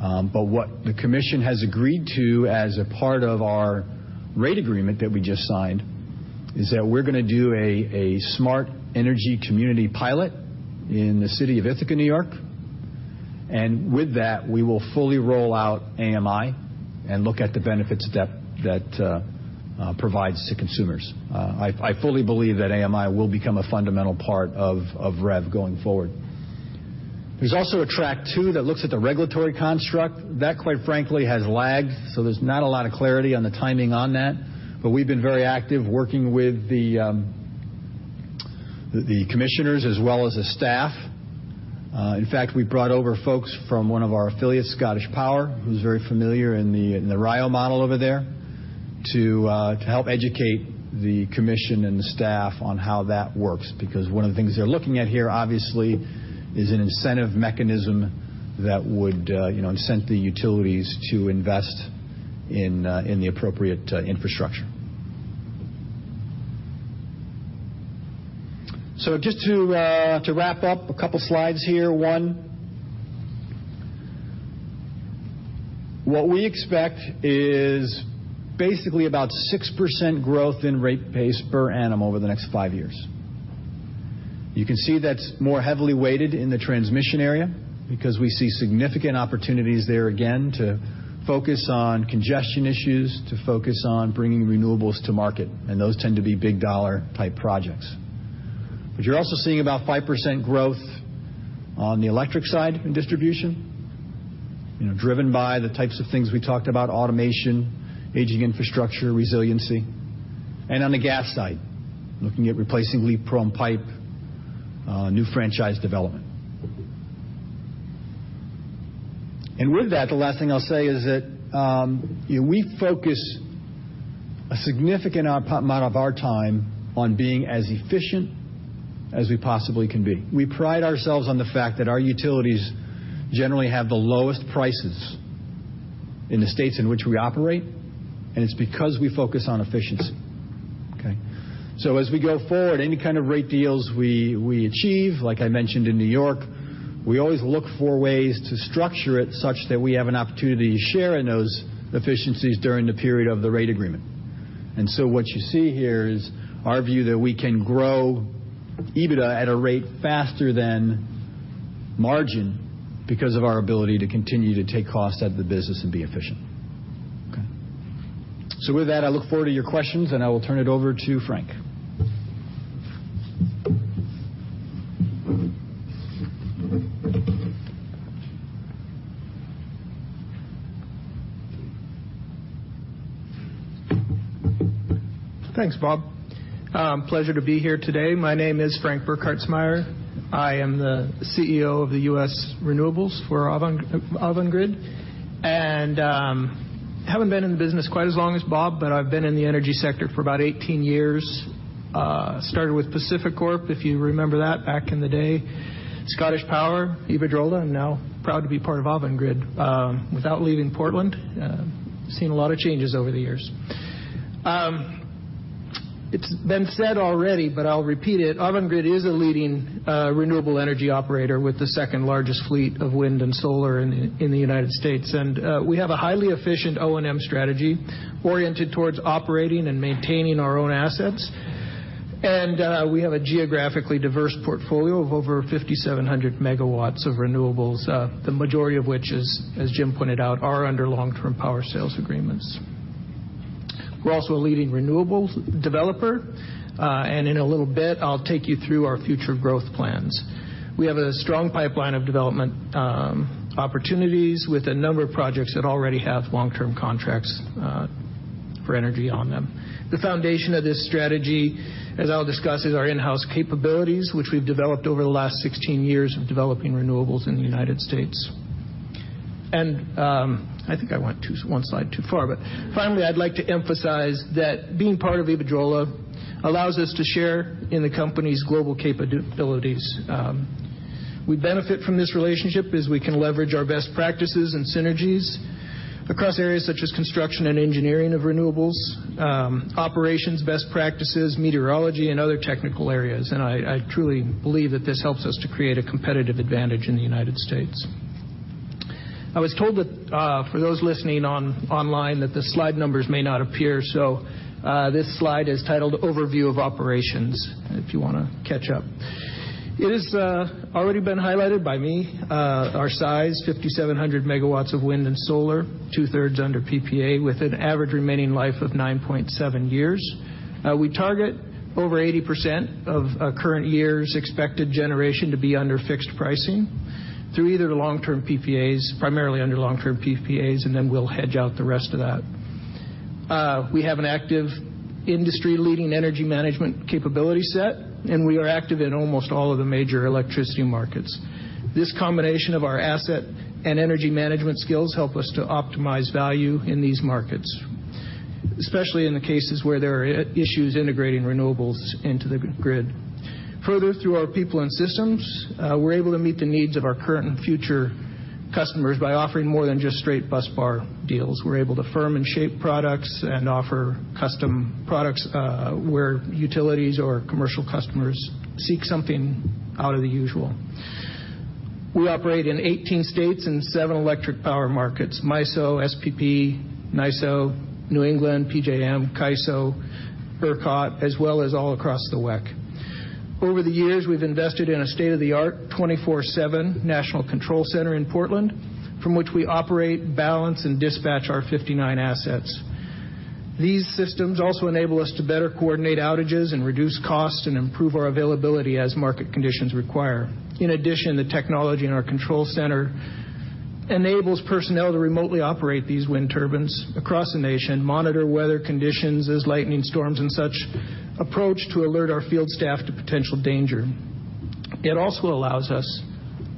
What the Commission has agreed to as a part of our rate agreement that we just signed is that we're going to do a smart energy community pilot in the city of Ithaca, N.Y. With that, we will fully roll out AMI and look at the benefits that provides to consumers. I fully believe that AMI will become a fundamental part of REV going forward. There's also a track two that looks at the regulatory construct. That, quite frankly, has lagged, so there's not a lot of clarity on the timing on that. We've been very active working with the commissioners as well as the staff. In fact, we brought over folks from one of our affiliates, ScottishPower, who's very familiar in the RIIO model over there, to help educate the Commission and the staff on how that works. Because one of the things they're looking at here, obviously, is an incentive mechanism that would incent the utilities to invest in the appropriate infrastructure. Just to wrap up, a couple slides here. One, what we expect is basically about 6% growth in rate base per annum over the next five years. You can see that's more heavily weighted in the transmission area because we see significant opportunities there, again, to focus on congestion issues, to focus on bringing renewables to market, and those tend to be big-dollar type projects. You're also seeing about 5% growth on the electric side in distribution, driven by the types of things we talked about, automation, aging infrastructure, resiliency, and on the gas side, looking at replacing leak-prone pipe, new franchise development. With that, the last thing I'll say is that we focus a significant amount of our time on being as efficient as we possibly can be. We pride ourselves on the fact that our utilities generally have the lowest prices in the states in which we operate, and it's because we focus on efficiency. Okay. As we go forward, any kind of rate deals we achieve, like I mentioned in N.Y., we always look for ways to structure it such that we have an opportunity to share in those efficiencies during the period of the rate agreement. What you see here is our view that we can grow EBITDA at a rate faster than margin because of our ability to continue to take costs out of the business and be efficient. Okay. With that, I look forward to your questions, and I will turn it over to Frank. Thanks, Bob. Pleasure to be here today. My name is Frank Burkhartsmeyer. I am the CEO of the U.S. renewables for Avangrid, haven't been in the business quite as long as Bob, but I've been in the energy sector for about 18 years. Started with PacifiCorp, if you remember that back in the day, ScottishPower, Iberdrola, and now proud to be part of Avangrid without leaving Portland. Seen a lot of changes over the years. It's been said already, but I'll repeat it. Avangrid is a leading renewable energy operator with the second-largest fleet of wind and solar in the U.S. We have a highly efficient O&M strategy oriented towards operating and maintaining our own assets. We have a geographically diverse portfolio of over 5,700 MW of renewables, the majority of which, as Jim pointed out, are under long-term power sales agreements. We're also a leading renewables developer. In a little bit, I'll take you through our future growth plans. We have a strong pipeline of development opportunities with a number of projects that already have long-term contracts for energy on them. The foundation of this strategy, as I'll discuss, is our in-house capabilities, which we've developed over the last 16 years of developing renewables in the U.S. I think I went one slide too far. Finally, I'd like to emphasize that being part of Iberdrola allows us to share in the company's global capabilities. We benefit from this relationship as we can leverage our best practices and synergies across areas such as construction and engineering of renewables, operations, best practices, meteorology, and other technical areas. I truly believe that this helps us to create a competitive advantage in the U.S. I was told that for those listening online, that the slide numbers may not appear. This slide is titled Overview of Operations, if you want to catch up. It has already been highlighted by me our size, 5,700 MW of wind and solar, two-thirds under PPA with an average remaining life of 9.7 years. We target over 80% of current year's expected generation to be under fixed pricing through either the long-term PPAs, primarily under long-term PPAs, we'll hedge out the rest of that. We have an active industry-leading energy management capability set. We are active in almost all of the major electricity markets. This combination of our asset and energy management skills help us to optimize value in these markets, especially in the cases where there are issues integrating renewables into the grid. Further, through our people and systems, we're able to meet the needs of our current and future customers by offering more than just straight busbar deals. We're able to firm and shape products and offer custom products where utilities or commercial customers seek something out of the usual. We operate in 18 states and seven electric power markets, MISO, SPP, NYISO, New England, PJM, CAISO, ERCOT, as well as all across the WECC. Over the years, we've invested in a state-of-the-art 24/7 national control center in Portland from which we operate, balance, and dispatch our 59 assets. These systems also enable us to better coordinate outages and reduce costs and improve our availability as market conditions require. In addition, the technology in our control center enables personnel to remotely operate these wind turbines across the nation, monitor weather conditions as lightning storms and such approach to alert our field staff to potential danger. It also allows us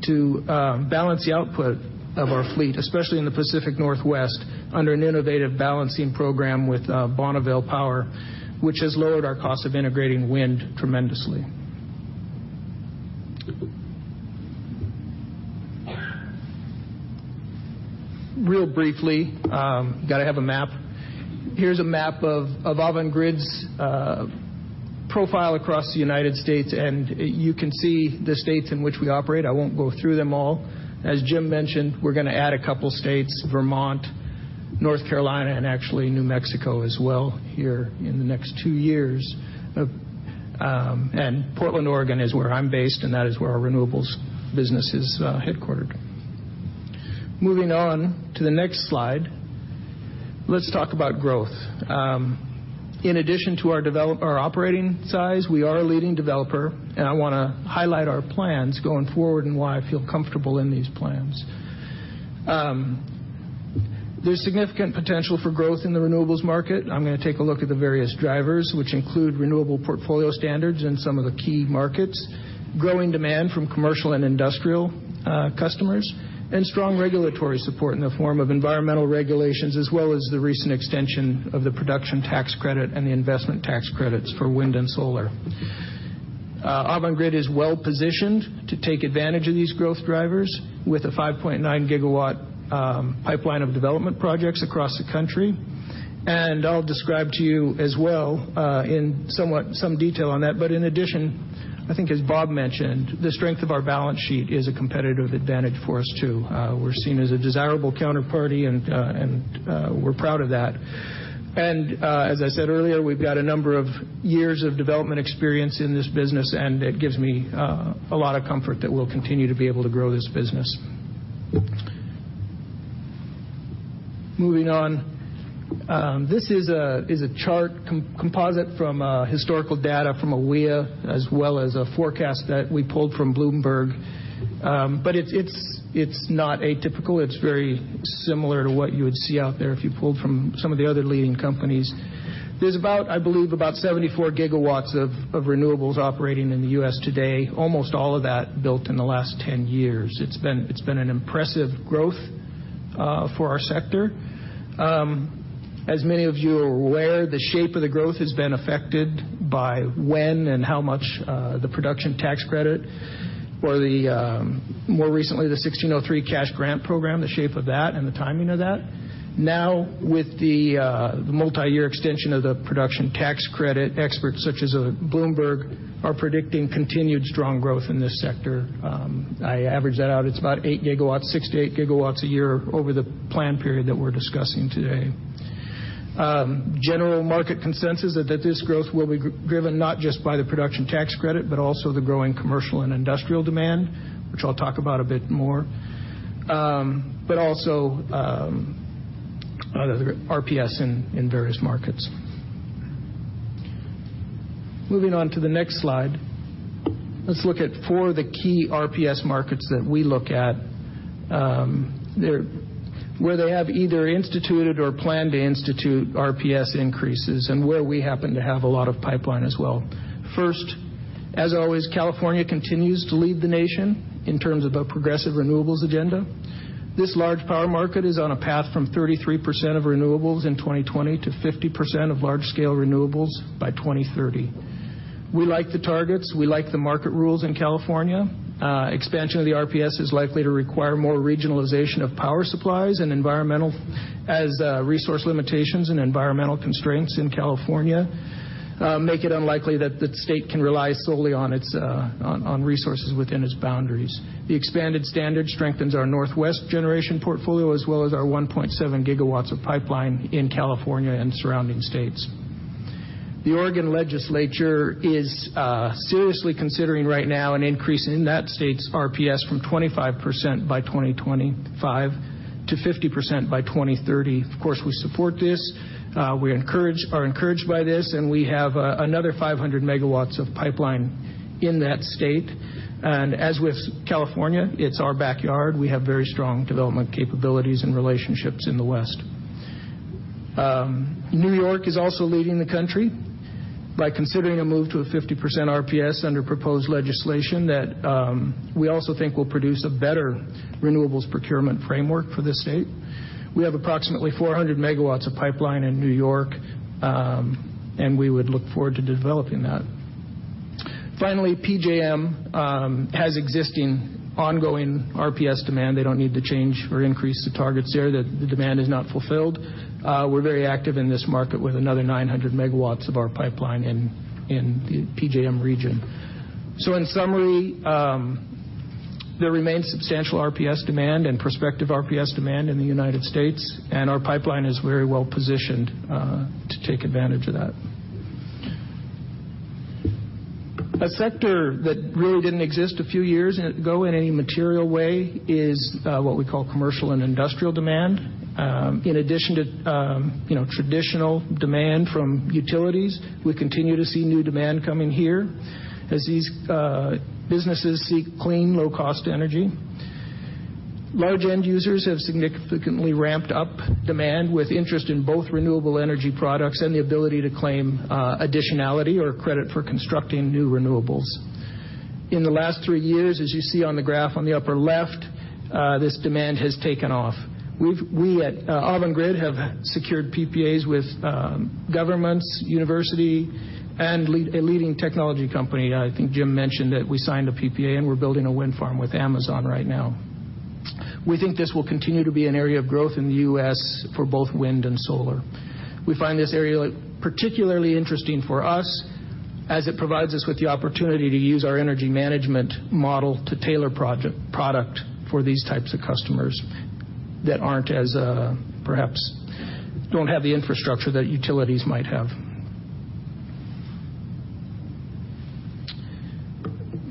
to balance the output of our fleet, especially in the Pacific Northwest, under an innovative balancing program with Bonneville Power, which has lowered our cost of integrating wind tremendously. Real briefly, got to have a map. Here's a map of Avangrid's profile across the United States, and you can see the states in which we operate. I won't go through them all. As Jim mentioned, we're going to add a couple states, Vermont, North Carolina, and actually New Mexico as well here in the next two years. Portland, Oregon, is where I'm based, and that is where our renewables business is headquartered. Moving on to the next slide. Let's talk about growth. In addition to our operating size, we are a leading developer. I want to highlight our plans going forward and why I feel comfortable in these plans. There's significant potential for growth in the renewables market. I'm going to take a look at the various drivers, which include renewable portfolio standards in some of the key markets, growing demand from commercial and industrial customers, and strong regulatory support in the form of environmental regulations as well as the recent extension of the Production Tax Credit and the Investment Tax Credits for wind and solar. Avangrid is well-positioned to take advantage of these growth drivers with a 5.9-gigawatt pipeline of development projects across the country. I'll describe to you as well in some detail on that. In addition, I think as Bob mentioned, the strength of our balance sheet is a competitive advantage for us, too. We're seen as a desirable counterparty, and we're proud of that. As I said earlier, we've got a number of years of development experience in this business, and it gives me a lot of comfort that we'll continue to be able to grow this business. Moving on. This is a chart composite from historical data from AWEA as well as a forecast that we pulled from Bloomberg. It's not atypical. It's very similar to what you would see out there if you pulled from some of the other leading companies. There's, I believe, about 74 gigawatts of renewables operating in the U.S. today, almost all of that built in the last 10 years. It's been an impressive growth for our sector. As many of you are aware, the shape of the growth has been affected by when and how much the Production Tax Credit or more recently, the 1603 Cash Grant Program, the shape of that and the timing of that. Now, with the multi-year extension of the Production Tax Credit, experts such as Bloomberg are predicting continued strong growth in this sector. I average that out. It's about 8 gigawatts, 6-8 gigawatts a year over the plan period that we're discussing today. General market consensus that this growth will be driven not just by the Production Tax Credit, also the growing commercial and industrial demand, which I'll talk about a bit more, also the RPS in various markets. Moving on to the next slide. Let's look at four of the key RPS markets that we look at, where they have either instituted or plan to institute RPS increases and where we happen to have a lot of pipeline as well. First, as always, California continues to lead the nation in terms of a progressive renewables agenda. This large power market is on a path from 33% of renewables in 2020 to 50% of large-scale renewables by 2030. We like the targets. We like the market rules in California. Expansion of the RPS is likely to require more regionalization of power supplies as resource limitations and environmental constraints in California make it unlikely that the state can rely solely on resources within its boundaries. The expanded standard strengthens our Northwest generation portfolio, as well as our 1.7 gigawatts of pipeline in California and surrounding states. The Oregon legislature is seriously considering right now an increase in that state's RPS from 25% by 2025 to 50% by 2030. Of course, we support this. We are encouraged by this, and we have another 500 MW of pipeline in that state. As with California, it's our backyard. We have very strong development capabilities and relationships in the West. New York is also leading the country by considering a move to a 50% RPS under proposed legislation that we also think will produce a better renewables procurement framework for the state. We have approximately 400 MW of pipeline in New York, and we would look forward to developing that. Finally, PJM has existing ongoing RPS demand. They don't need to change or increase the targets there. The demand is not fulfilled. We're very active in this market with another 900 MW of our pipeline in the PJM region. In summary, there remains substantial RPS demand and prospective RPS demand in the U.S., and our pipeline is very well-positioned to take advantage of that. A sector that really didn't exist a few years ago in any material way is what we call commercial and industrial demand. In addition to traditional demand from utilities, we continue to see new demand coming here as these businesses seek clean, low-cost energy. Large end users have significantly ramped up demand with interest in both renewable energy products and the ability to claim additionality or credit for constructing new renewables. In the last three years, as you see on the graph on the upper left, this demand has taken off. We at Avangrid have secured PPAs with governments, university, and a leading technology company. I think Jim mentioned that we signed a PPA and we're building a wind farm with Amazon right now. We think this will continue to be an area of growth in the U.S. for both wind and solar. We find this area particularly interesting for us as it provides us with the opportunity to use our energy management model to tailor product for these types of customers that perhaps don't have the infrastructure that utilities might have.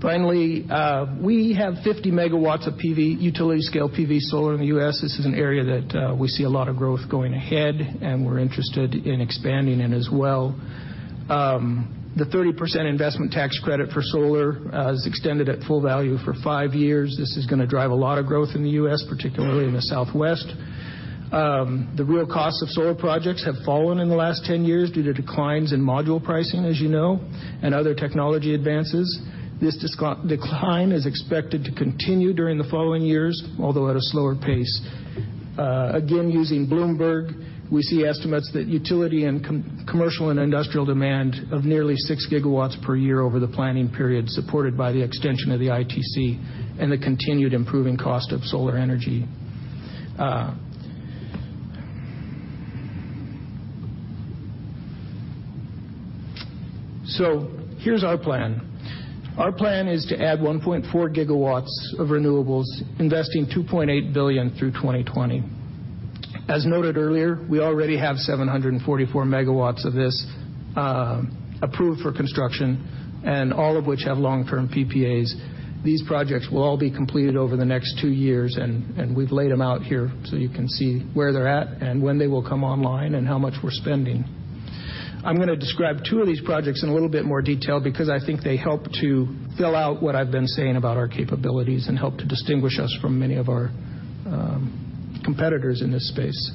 Finally, we have 50 MW of utility-scale PV solar in the U.S. This is an area that we see a lot of growth going ahead, and we're interested in expanding in as well. The 30% investment tax credit for solar is extended at full value for five years. This is going to drive a lot of growth in the U.S., particularly in the Southwest. The real cost of solar projects have fallen in the last 10 years due to declines in module pricing, as you know, and other technology advances. This decline is expected to continue during the following years, although at a slower pace. Again, using Bloomberg, we see estimates that utility and commercial and industrial demand of nearly 6 gigawatts per year over the planning period supported by the extension of the ITC and the continued improving cost of solar energy. Here's our plan. Our plan is to add 1.4 gigawatts of renewables, investing $2.8 billion through 2020. As noted earlier, we already have 744 megawatts of this approved for construction and all of which have long-term PPAs. These projects will all be completed over the next two years, and we've laid them out here so you can see where they're at and when they will come online and how much we're spending. I'm going to describe two of these projects in a little bit more detail because I think they help to fill out what I've been saying about our capabilities and help to distinguish us from many of our competitors in this space.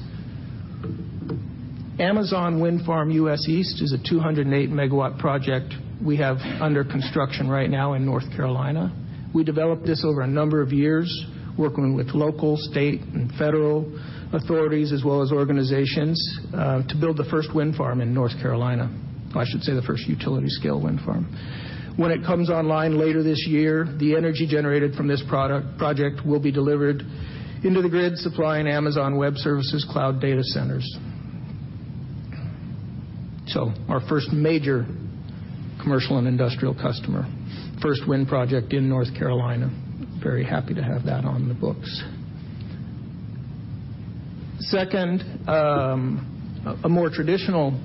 Amazon Wind Farm US East is a 208-megawatt project we have under construction right now in North Carolina. We developed this over a number of years, working with local, state, and federal authorities, as well as organizations, to build the first wind farm in North Carolina. I should say the first utility-scale wind farm. When it comes online later this year, the energy generated from this project will be delivered into the grid supplying Amazon Web Services cloud data centers. Our first major commercial and industrial customer, first wind project in North Carolina. Very happy to have that on the books. Second, a more traditional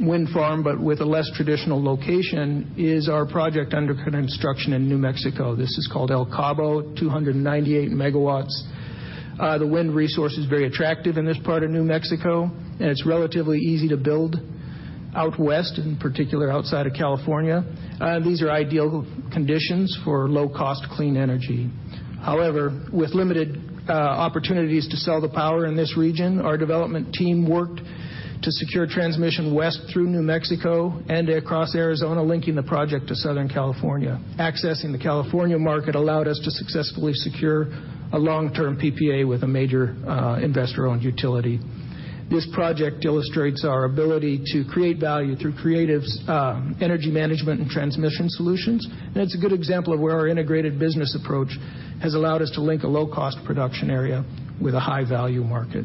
wind farm, but with a less traditional location, is our project under construction in New Mexico. This is called El Cabo, 298 megawatts. The wind resource is very attractive in this part of New Mexico, and it's relatively easy to build out west, in particular outside of California. These are ideal conditions for low-cost, clean energy. However, with limited opportunities to sell the power in this region, our development team worked to secure transmission west through New Mexico and across Arizona, linking the project to Southern California. Accessing the California market allowed us to successfully secure a long-term PPA with a major investor-owned utility. This project illustrates our ability to create value through creative energy management and transmission solutions. It's a good example of where our integrated business approach has allowed us to link a low-cost production area with a high-value market.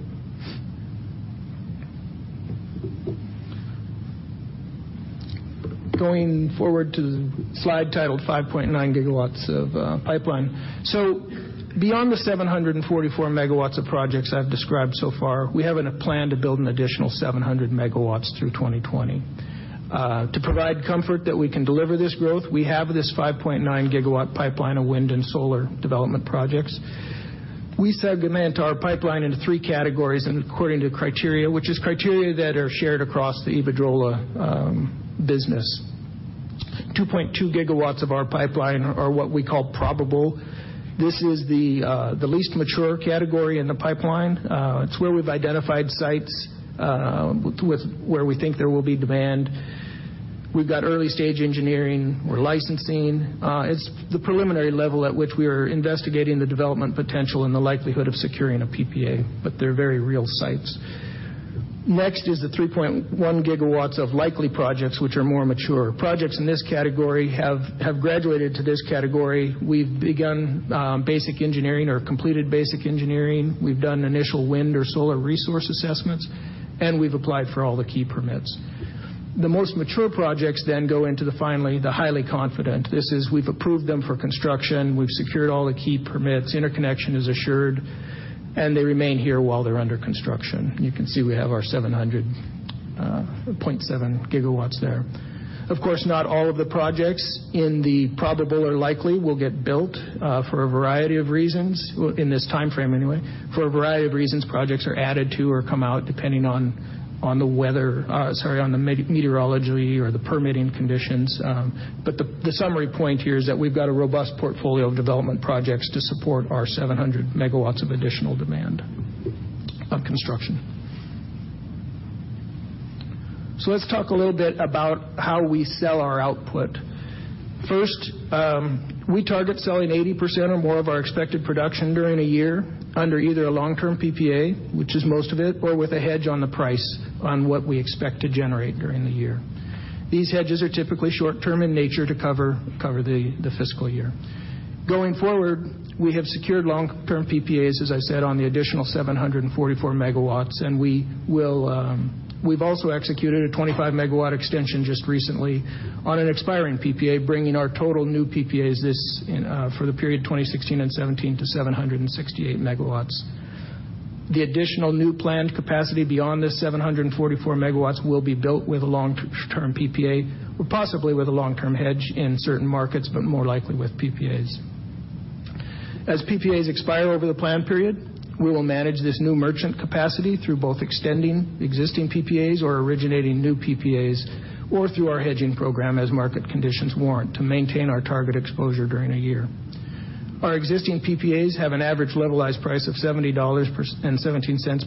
Going forward to the slide titled 5.9 gigawatts of pipeline. Beyond the 744 megawatts of projects I've described so far, we have a plan to build an additional 700 megawatts through 2020. To provide comfort that we can deliver this growth, we have this 5.9-gigawatt pipeline of wind and solar development projects. We segment our pipeline into three categories according to criteria, which is criteria that are shared across the Iberdrola business. 2.2 gigawatts of our pipeline are what we call probable. This is the least mature category in the pipeline. It's where we've identified sites where we think there will be demand. We've got early-stage engineering. We're licensing. It's the preliminary level at which we are investigating the development potential and the likelihood of securing a PPA, but they're very real sites. The 3.1 gigawatts of likely projects, which are more mature. Projects in this category have graduated to this category. We've begun basic engineering or completed basic engineering. We've done initial wind or solar resource assessments, and we've applied for all the key permits. The most mature projects go into the finally, the highly confident. This is we've approved them for construction. We've secured all the key permits. Interconnection is assured, they remain here while they're under construction. You can see we have our 700.7 gigawatts there. Of course, not all of the projects in the probable or likely will get built for a variety of reasons, in this time frame anyway. For a variety of reasons, projects are added to or come out depending on the meteorology or the permitting conditions. The summary point here is that we've got a robust portfolio of development projects to support our 700 megawatts of additional demand of construction. Let's talk a little bit about how we sell our output. First, we target selling 80% or more of our expected production during a year under either a long-term PPA, which is most of it, or with a hedge on the price on what we expect to generate during the year. These hedges are typically short-term in nature to cover the fiscal year. Going forward, we have secured long-term PPAs, as I said, on the additional 744 megawatts, we've also executed a 25-megawatt extension just recently on an expiring PPA, bringing our total new PPAs for the period 2016 and 2017 to 768 megawatts. The additional new planned capacity beyond this 744 megawatts will be built with a long-term PPA, possibly with a long-term hedge in certain markets, more likely with PPAs. As PPAs expire over the plan period, we will manage this new merchant capacity through both extending existing PPAs or originating new PPAs or through our hedging program as market conditions warrant to maintain our target exposure during a year. Our existing PPAs have an average levelized price of $70.17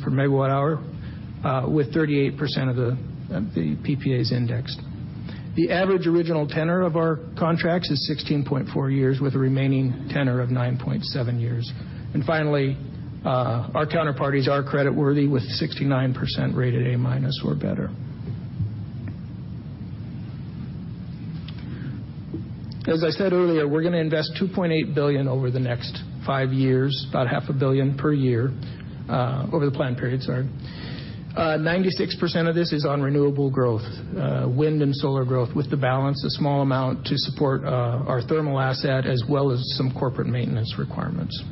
per megawatt hour, with 38% of the PPAs indexed. The average original tenor of our contracts is 16.4 years, with a remaining tenor of 9.7 years. Finally, our counterparties are credit worthy, with 69% rated A-minus or better. As I said earlier, we're going to invest $2.8 billion over the next five years, about half a billion dollars per year, over the plan period, sorry. 96% of this is on renewable growth, wind and solar growth, with the balance a small amount to support our thermal asset as well as some corporate maintenance requirements.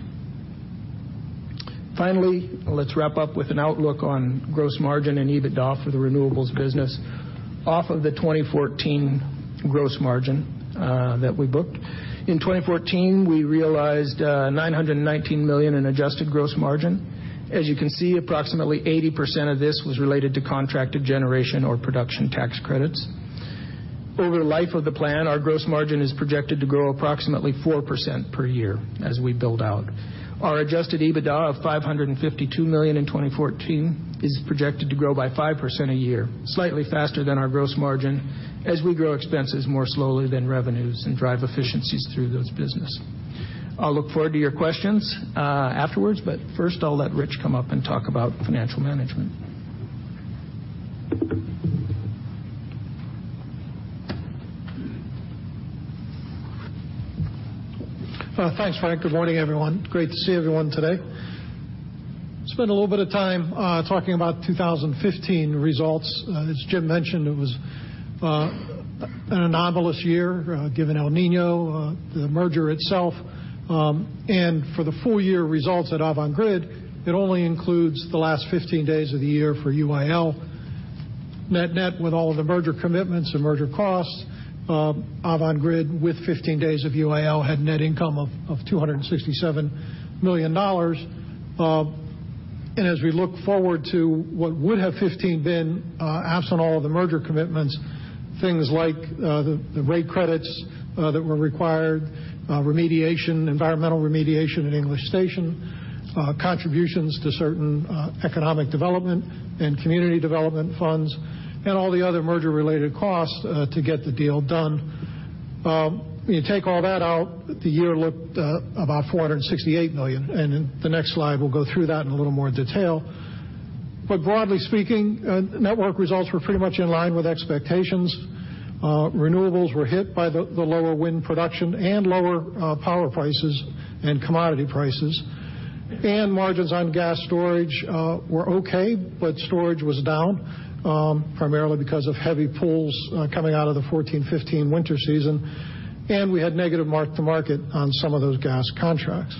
Finally, let's wrap up with an outlook on gross margin and EBITDA for the renewables business off of the 2014 gross margin that we booked. In 2014, we realized $919 million in adjusted gross margin. As you can see, approximately 80% of this was related to contracted generation or Production Tax Credits. Over the life of the plan, our gross margin is projected to grow approximately 4% per year as we build out. Our adjusted EBITDA of $552 million in 2014 is projected to grow by 5% a year, slightly faster than our gross margin as we grow expenses more slowly than revenues and drive efficiencies through those business. First I'll let Rich come up and talk about financial management. Thanks, Frank. Good morning, everyone. Great to see everyone today. Spend a little bit of time talking about 2015 results. As Jim mentioned, it was an anomalous year given El Niño, the merger itself, and for the full-year results at Avangrid, it only includes the last 15 days of the year for UIL. Net net with all of the merger commitments and merger costs. Avangrid, with 15 days of UIL, had net income of $267 million. As we look forward to what would have 2015 been, absent all of the merger commitments, things like the rate credits that were required, remediation, environmental remediation at English Station, contributions to certain economic development and community development funds, and all the other merger-related costs to get the deal done. You take all that out, the year looked about $468 million, and in the next slide, we'll go through that in a little more detail. Broadly speaking, network results were pretty much in line with expectations. Renewables were hit by the lower wind production and lower power prices and commodity prices. Margins on gas storage were okay, but storage was down, primarily because of heavy pools coming out of the 2014-2015 winter season. We had negative mark-to-market on some of those gas contracts.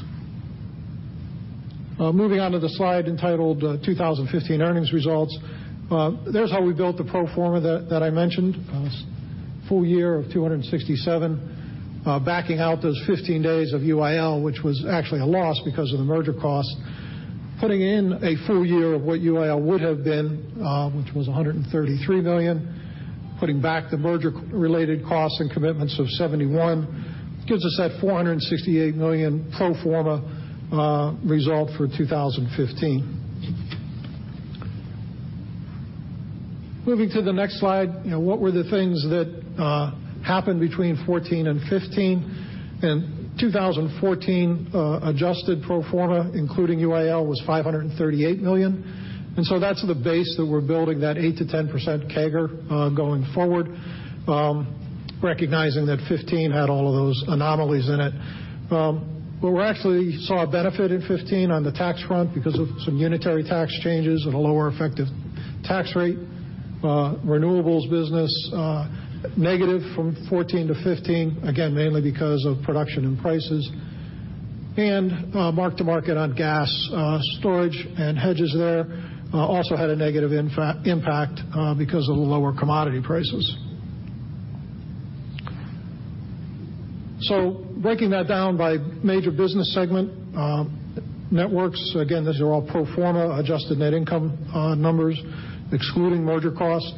Moving on to the slide entitled 2015 Earnings Results. There's how we built the pro forma that I mentioned. Full year of $267 million, backing out those 15 days of UIL, which was actually a loss because of the merger cost. Putting in a full year of what UIL would have been, which was $133 million. Putting back the merger-related costs and commitments of $71 million gives us that $468 million pro forma result for 2015. Moving to the next slide, what were the things that happened between 2014 and 2015? In 2014, adjusted pro forma, including UIL, was $538 million. That's the base that we're building that 8%-10% CAGR going forward, recognizing that 2015 had all of those anomalies in it. We actually saw a benefit in 2015 on the tax front because of some unitary tax changes and a lower effective tax rate. Renewables business, negative from 2014 to 2015, again, mainly because of production and prices. Mark-to-market on gas storage and hedges there also had a negative impact because of the lower commodity prices. Breaking that down by major business segment. Networks, again, these are all pro forma adjusted net income numbers, excluding merger costs.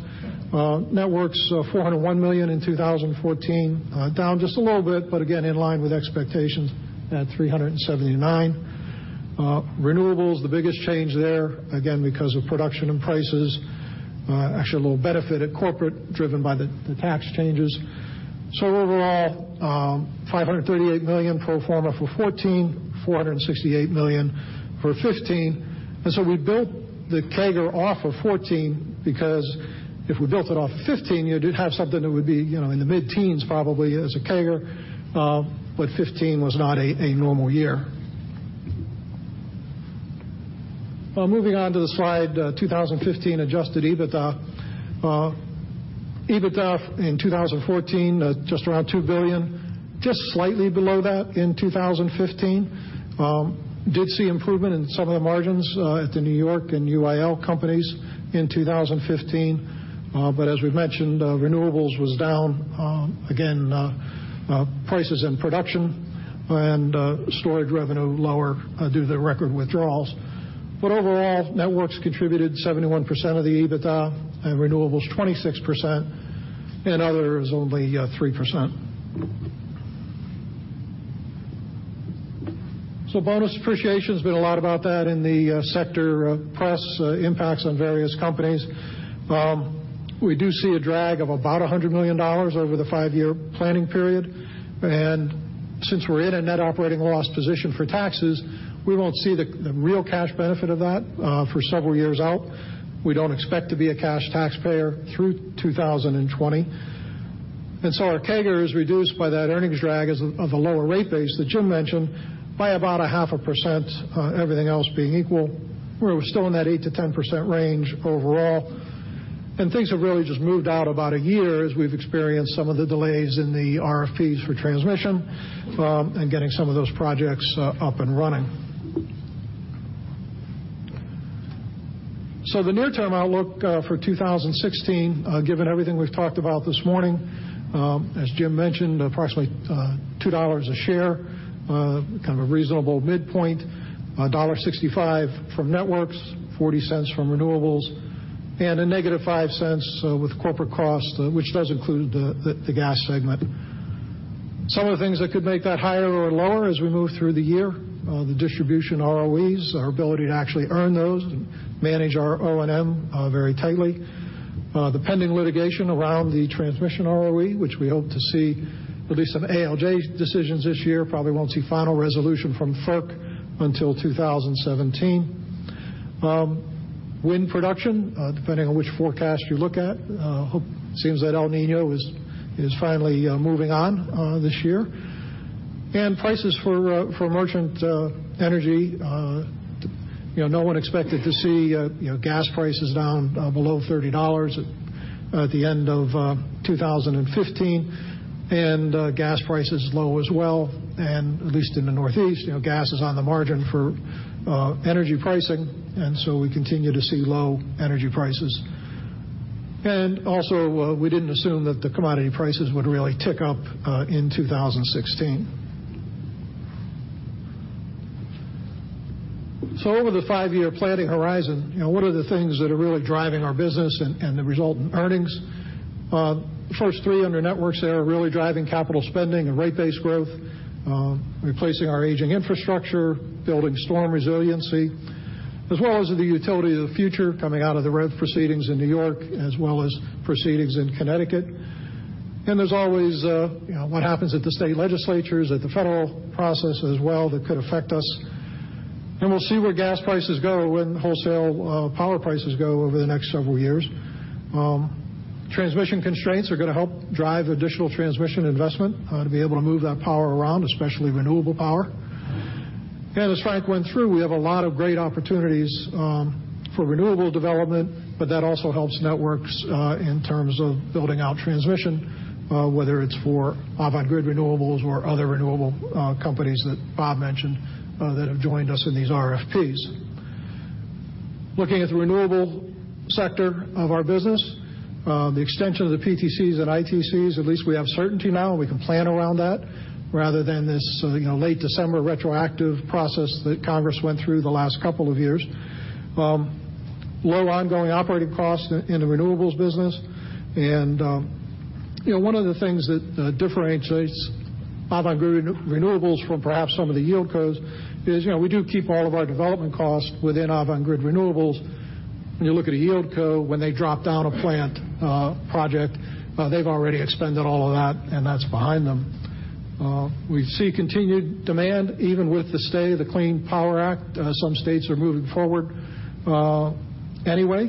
Networks, $401 million in 2014. Down just a little bit, in line with expectations at 379. Renewables, the biggest change there, because of production and prices. A little benefit at corporate driven by the tax changes. Overall, $538 million pro forma for 2014, $468 million for 2015. We built the CAGR off of 2014 because if we built it off 2015, you'd have something that would be in the mid-teens, probably, as a CAGR. 2015 was not a normal year. Moving on to the slide, 2015 Adjusted EBITDA. EBITDA in 2014, just around $2 billion. Just slightly below that in 2015. Did see improvement in some of the margins at the New York and UIL companies in 2015. As we've mentioned, renewables was down. Prices and production and storage revenue lower due to the record withdrawals. Overall, networks contributed 71% of the EBITDA and renewables 26%, and other is only 3%. Bonus depreciation has been a lot about that in the sector press impacts on various companies. We do see a drag of about $100 million over the five-year planning period. Since we're in a net operating loss position for taxes, we won't see the real cash benefit of that for several years out. We don't expect to be a cash taxpayer through 2020. Our CAGR is reduced by that earnings drag of the lower rate base that Jim mentioned by about a half a percent, everything else being equal. We're still in that 8%-10% range overall. Things have really just moved out about a year as we've experienced some of the delays in the RFPs for transmission and getting some of those projects up and running. The near-term outlook for 2016, given everything we've talked about this morning. As Jim mentioned, approximately $2 a share, kind of a reasonable midpoint. $1.65 from networks, $0.40 from renewables, and a negative $0.05 with corporate costs, which does include the gas segment. Some of the things that could make that higher or lower as we move through the year, the distribution ROEs, our ability to actually earn those and manage our O&M very tightly. The pending litigation around the transmission ROE, which we hope to see at least some ALJ decisions this year. Probably won't see final resolution from FERC until 2017. Wind production, depending on which forecast you look at. Seems that El Niño is finally moving on this year. Prices for merchant energy. No one expected to see gas prices down below $30. At the end of 2015, gas prices low as well. At least in the Northeast, gas is on the margin for energy pricing. We continue to see low energy prices. Also, we didn't assume that the commodity prices would really tick up in 2016. Over the five-year planning horizon, what are the things that are really driving our business and the result in earnings? The first three under networks there are really driving capital spending and rate base growth, replacing our aging infrastructure, building storm resiliency, as well as the utility of the future coming out of the REV proceedings in New York, as well as proceedings in Connecticut. There's always what happens at the state legislatures, at the federal process as well, that could affect us. We'll see where gas prices go and wholesale power prices go over the next several years. Transmission constraints are going to help drive additional transmission investment to be able to move that power around, especially renewable power. As Frank went through, we have a lot of great opportunities for renewable development, but that also helps networks in terms of building out transmission whether it's for Avangrid Renewables or other renewable companies that Bob mentioned that have joined us in these RFPs. Looking at the renewable sector of our business, the extension of the PTCs and ITCs, at least we have certainty now, and we can plan around that rather than this late December retroactive process that Congress went through the last couple of years. Low ongoing operating costs in the renewables business. One of the things that differentiates Avangrid Renewables from perhaps some of the yieldcos is we do keep all of our development costs within Avangrid Renewables. When you look at a yieldco, when they drop down a plant project, they've already expended all of that, and that's behind them. We see continued demand even with the stay of the Clean Power Plan. Some states are moving forward anyway.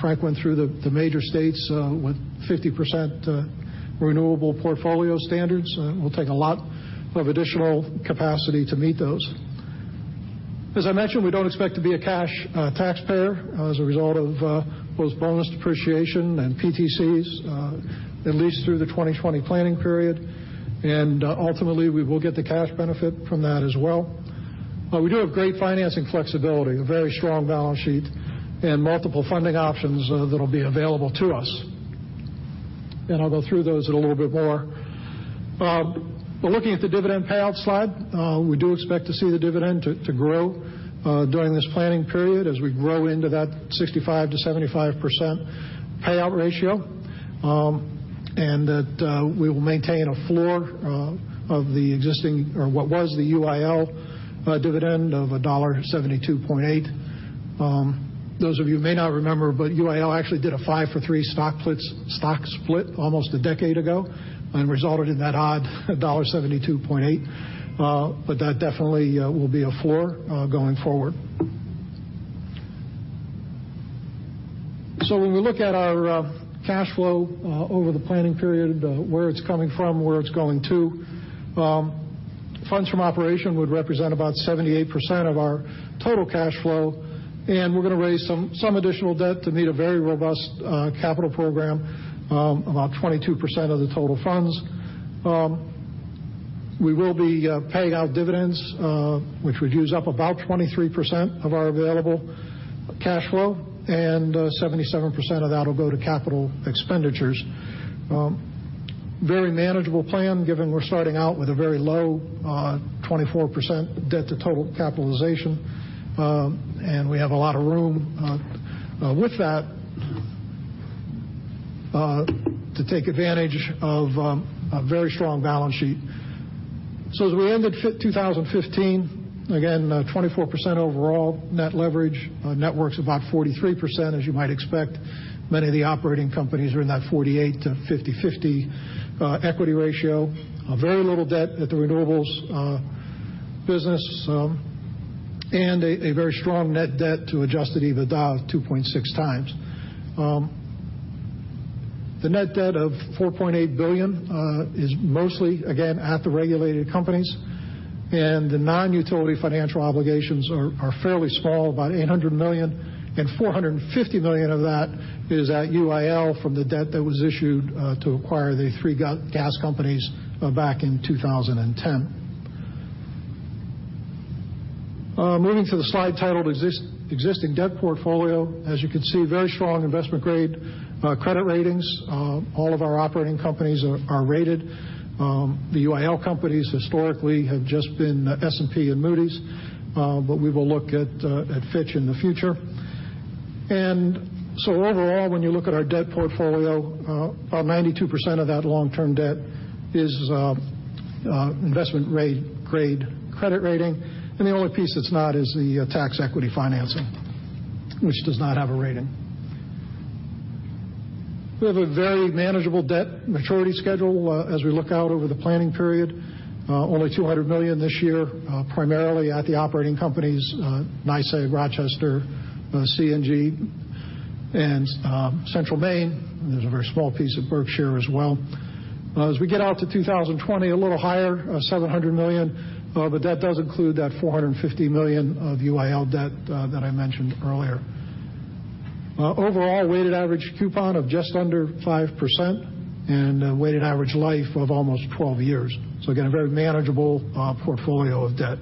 Frank went through the major states with 50% renewable portfolio standards. It will take a lot of additional capacity to meet those. As I mentioned, we don't expect to be a cash taxpayer as a result of both bonus depreciation and PTCs at least through the 2020 planning period. Ultimately, we will get the cash benefit from that as well. We do have great financing flexibility, a very strong balance sheet, and multiple funding options that'll be available to us. I'll go through those a little bit more. Looking at the dividend payout slide, we do expect to see the dividend to grow during this planning period as we grow into that 65%-75% payout ratio. That we will maintain a floor of the existing or what was the UIL dividend of $1.728. Those of you may not remember, but UIL actually did a five-for-three stock split almost a decade ago and resulted in that odd $1.728. That definitely will be a floor going forward. When we look at our cash flow over the planning period, where it's coming from, where it's going to. Funds from operation would represent about 78% of our total cash flow. We're going to raise some additional debt to meet a very robust capital program, about 22% of the total funds. We will be paying out dividends which would use up about 23% of our available cash flow. 77% of that will go to capital expenditures. Very manageable plan given we're starting out with a very low, 24% debt to total capitalization. We have a lot of room with that to take advantage of a very strong balance sheet. As we ended 2015, again, 24% overall net leverage. Networks about 43%, as you might expect. Many of the operating companies are in that 48% to 50/50 equity ratio. Very little debt at the renewables business. A very strong net debt to adjusted EBITDA of 2.6 times. The net debt of $4.8 billion is mostly, again, at the regulated companies. The non-utility financial obligations are fairly small, about $800 million, and $450 million of that is at UIL from the debt that was issued to acquire the three gas companies back in 2010. Moving to the slide titled Existing Debt Portfolio. As you can see, very strong investment-grade credit ratings. All of our operating companies are rated. The UIL companies historically have just been S&P and Moody's. We will look at Fitch in the future. Overall, when you look at our debt portfolio, about 92% of that long-term debt is investment-grade credit rating. The only piece that's not is the tax equity financing, which does not have a rating. We have a very manageable debt maturity schedule as we look out over the planning period. Only $200 million this year, primarily at the operating companies, NYSEG, Rochester, CNG, and Central Maine. There's a very small piece of Berkshire as well. As we get out to 2020, a little higher, $700 million, but that does include that $450 million of UIL debt that I mentioned earlier. Overall, weighted average coupon of just under 5% and a weighted average life of almost 12 years. Again, a very manageable portfolio of debt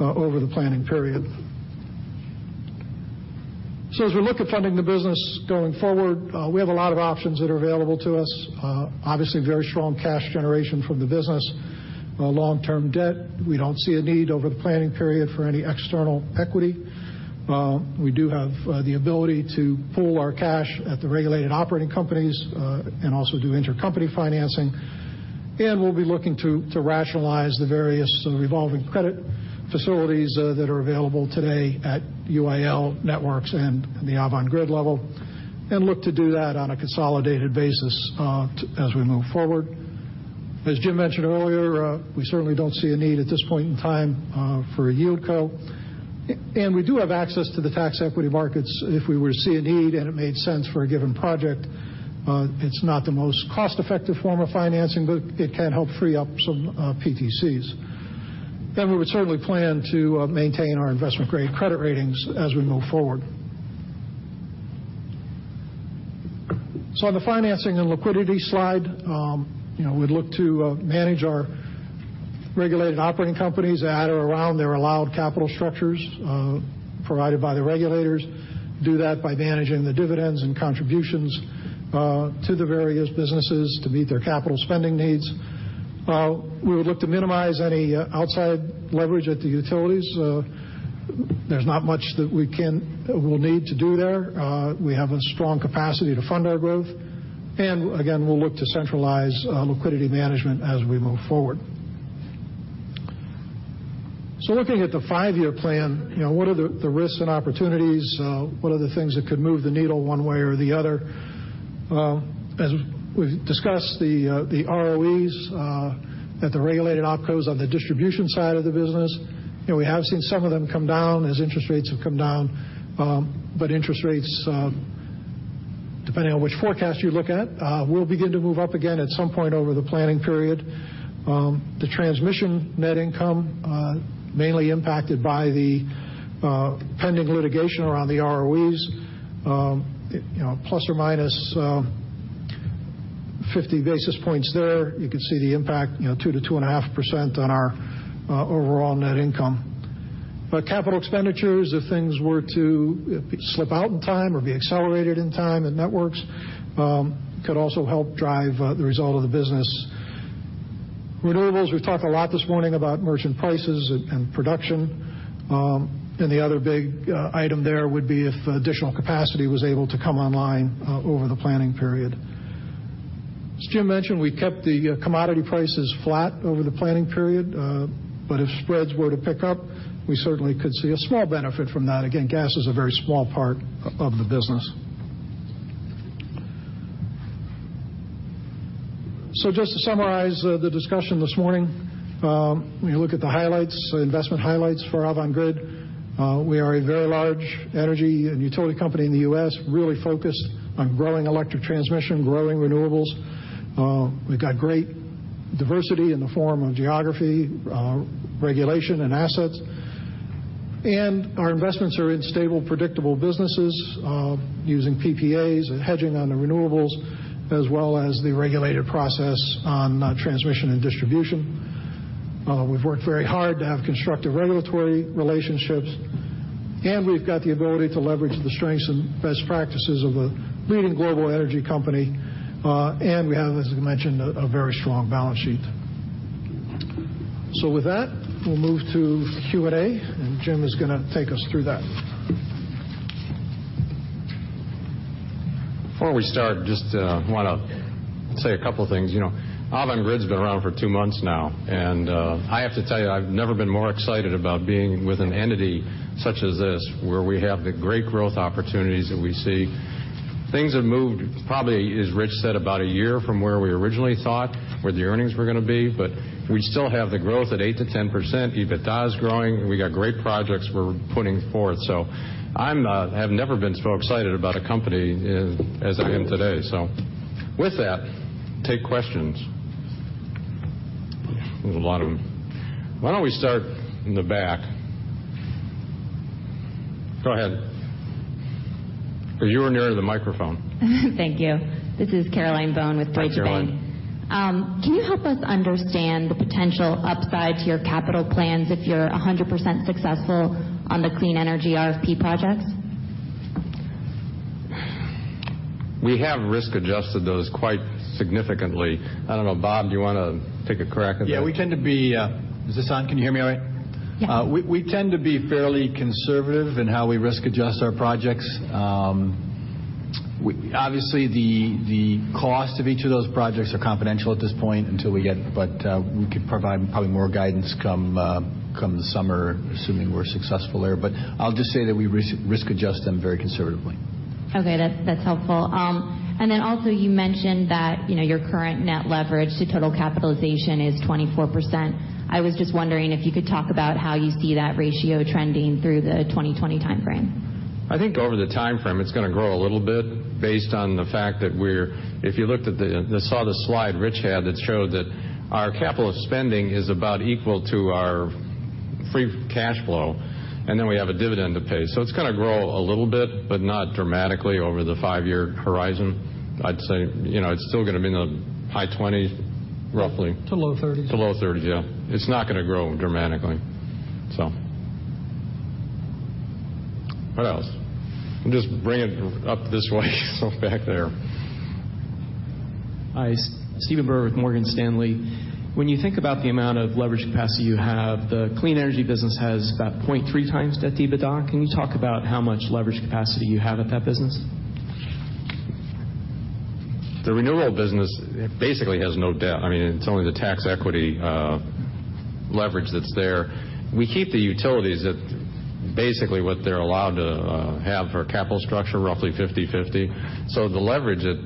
over the planning period. As we look at funding the business going forward, we have a lot of options that are available to us. Obviously, very strong cash generation from the business. Long-term debt, we don't see a need over the planning period for any external equity. We do have the ability to pool our cash at the regulated operating companies and also do intercompany financing. We'll be looking to rationalize the various revolving credit facilities that are available today at UIL networks and the Avangrid level and look to do that on a consolidated basis as we move forward. As Jim mentioned earlier, we certainly don't see a need at this point in time for a yieldco. We do have access to the tax equity markets if we were to see a need and it made sense for a given project. It's not the most cost-effective form of financing, but it can help free up some PTCs. We would certainly plan to maintain our investment-grade credit ratings as we move forward. On the financing and liquidity slide, we'd look to manage our regulated operating companies at or around their allowed capital structures provided by the regulators. Do that by managing the dividends and contributions to the various businesses to meet their capital spending needs. We would look to minimize any outside leverage at the utilities. There's not much that we'll need to do there. We have a strong capacity to fund our growth. Again, we'll look to centralize liquidity management as we move forward. Looking at the five-year plan, what are the risks and opportunities? What are the things that could move the needle one way or the other? As we've discussed, the ROEs at the regulated opcos on the distribution side of the business, we have seen some of them come down as interest rates have come down. Interest rates, depending on which forecast you look at, will begin to move up again at some point over the planning period. The transmission net income, mainly impacted by the pending litigation around the ROEs. ±50 basis points there. You can see the impact 2%-2.5% on our overall net income. Capital expenditures, if things were to slip out in time or be accelerated in time at networks, could also help drive the result of the business. Renewables, we've talked a lot this morning about merchant prices and production. The other big item there would be if additional capacity was able to come online over the planning period. As Jim mentioned, we kept the commodity prices flat over the planning period. If spreads were to pick up, we certainly could see a small benefit from that. Again, gas is a very small part of the business. Just to summarize the discussion this morning. When you look at the investment highlights for Avangrid, we are a very large energy and utility company in the U.S. really focused on growing electric transmission, growing renewables. We've got great diversity in the form of geography, regulation, and assets. Our investments are in stable, predictable businesses using PPAs and hedging on the renewables, as well as the regulated process on transmission and distribution. We've worked very hard to have constructive regulatory relationships. We've got the ability to leverage the strengths and best practices of a leading global energy company. We have, as we mentioned, a very strong balance sheet. With that, we'll move to Q&A, and Jim is going to take us through that. Before we start, just want to say a couple of things. Avangrid's been around for two months now, and I have to tell you, I've never been more excited about being with an entity such as this, where we have the great growth opportunities that we see. Things have moved probably, as Rich said, about a year from where we originally thought where the earnings were going to be. We still have the growth at 8%-10%. EBITDA is growing. We got great projects we're putting forth. I have never been so excited about a company as I am today. With that, take questions. There's a lot of them. Why don't we start in the back? Go ahead. You were nearer the microphone. Thank you. This is Caroline Bone with Deutsche Bank. Hi, Caroline. Can you help us understand the potential upside to your capital plans if you're 100% successful on the clean energy RFP projects? We have risk-adjusted those quite significantly. I don't know, Bob, do you want to take a crack at that? Yeah, is this on? Can you hear me all right? Yeah. We tend to be fairly conservative in how we risk-adjust our projects. Obviously, the cost of each of those projects are confidential at this point until we could provide probably more guidance come the summer, assuming we're successful there. I'll just say that we risk-adjust them very conservatively. Okay, that's helpful. Also you mentioned that your current net leverage to total capitalization is 24%. I was just wondering if you could talk about how you see that ratio trending through the 2020 timeframe. I think over the timeframe, it's going to grow a little bit based on the fact that if you saw the slide Rich had that showed that our capital spending is about equal to our free cash flow, we have a dividend to pay. It's going to grow a little bit, but not dramatically over the five-year horizon. I'd say it's still going to be in the high 20s roughly. To low 30s. To low 30s, yeah. It's not going to grow dramatically. What else? I'll just bring it up this way, so back there. Hi, Stephen Byrd with Morgan Stanley. When you think about the amount of leverage capacity you have, the clean energy business has about 0.3 times debt to EBITDA. Can you talk about how much leverage capacity you have at that business? The renewable business basically has no debt. It's only the tax equity leverage that's there. We keep the utilities at basically what they're allowed to have for capital structure, roughly 50/50. The leverage at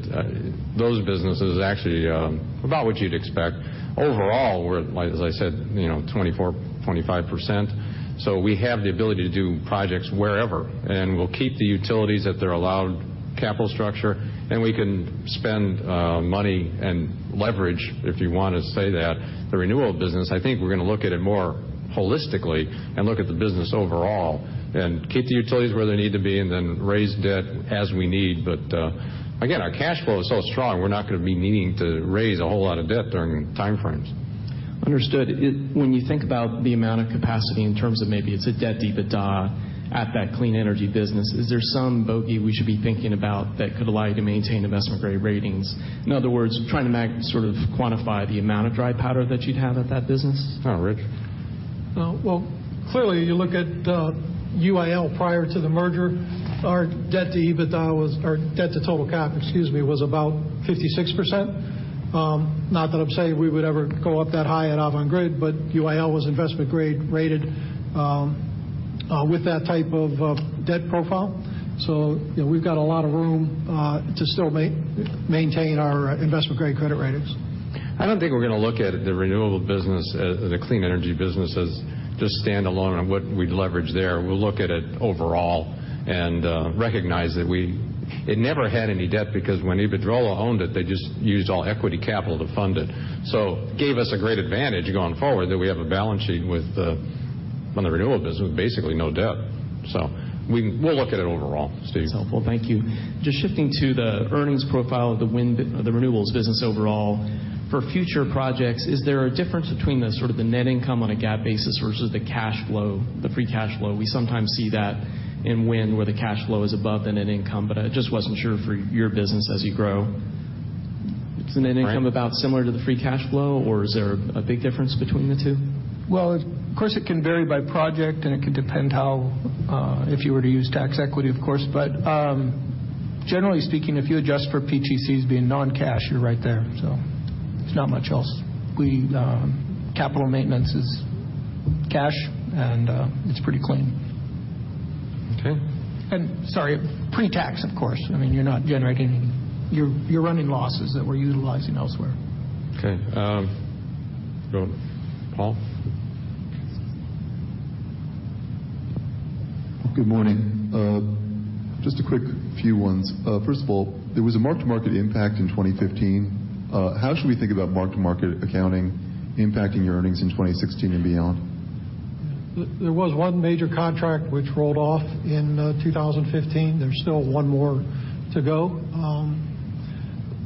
those businesses is actually about what you'd expect. Overall, we're, as I said, 24%, 25%. We have the ability to do projects wherever, and we'll keep the utilities at their allowed capital structure, and we can spend money and leverage, if you want to say that. The renewable business, I think we're going to look at it more holistically and look at the business overall and keep the utilities where they need to be and then raise debt as we need. Again, our cash flow is so strong, we're not going to be needing to raise a whole lot of debt during the timeframes. Understood. When you think about the amount of capacity in terms of maybe it's a debt to EBITDA at that clean energy business, is there some bogey we should be thinking about that could allow you to maintain investment-grade ratings? In other words, trying to sort of quantify the amount of dry powder that you'd have at that business? Rich? Well, clearly, you look at UIL prior to the merger, our debt to total cap, excuse me, was about 56%. Not that I'm saying we would ever go up that high at Avangrid, but UIL was investment grade rated with that type of debt profile. We've got a lot of room to still maintain our investment-grade credit ratings. I don't think we're going to look at the renewable business, the clean energy business as just standalone and what we'd leverage there. We'll look at it overall and recognize that it never had any debt because when Iberdrola owned it, they just used all equity capital to fund it. Gave us a great advantage going forward that we have a balance sheet with, on the renewable business, basically no debt. We'll look at it overall, Steve. That's helpful. Thank you. Just shifting to the earnings profile of the renewables business overall. For future projects, is there a difference between the sort of the net income on a GAAP basis versus the cash flow, the free cash flow? We sometimes see that in wind where the cash flow is above the net income, but I just wasn't sure for your business as you grow. All right. Is the net income about similar to the free cash flow, or is there a big difference between the two? Of course, it can vary by project, and it could depend how, if you were to use tax equity, of course. Generally speaking, if you adjust for PTCs being non-cash, you're right there. There's not much else. Capital maintenance is cash, and it's pretty clean. Okay. Sorry, pre-tax, of course. You're running losses that we're utilizing elsewhere. Okay. Paul? Good morning. Just a quick few ones. First of all, there was a mark-to-market impact in 2015. How should we think about mark-to-market accounting impacting your earnings in 2016 and beyond? There was one major contract which rolled off in 2015. There's still one more to go.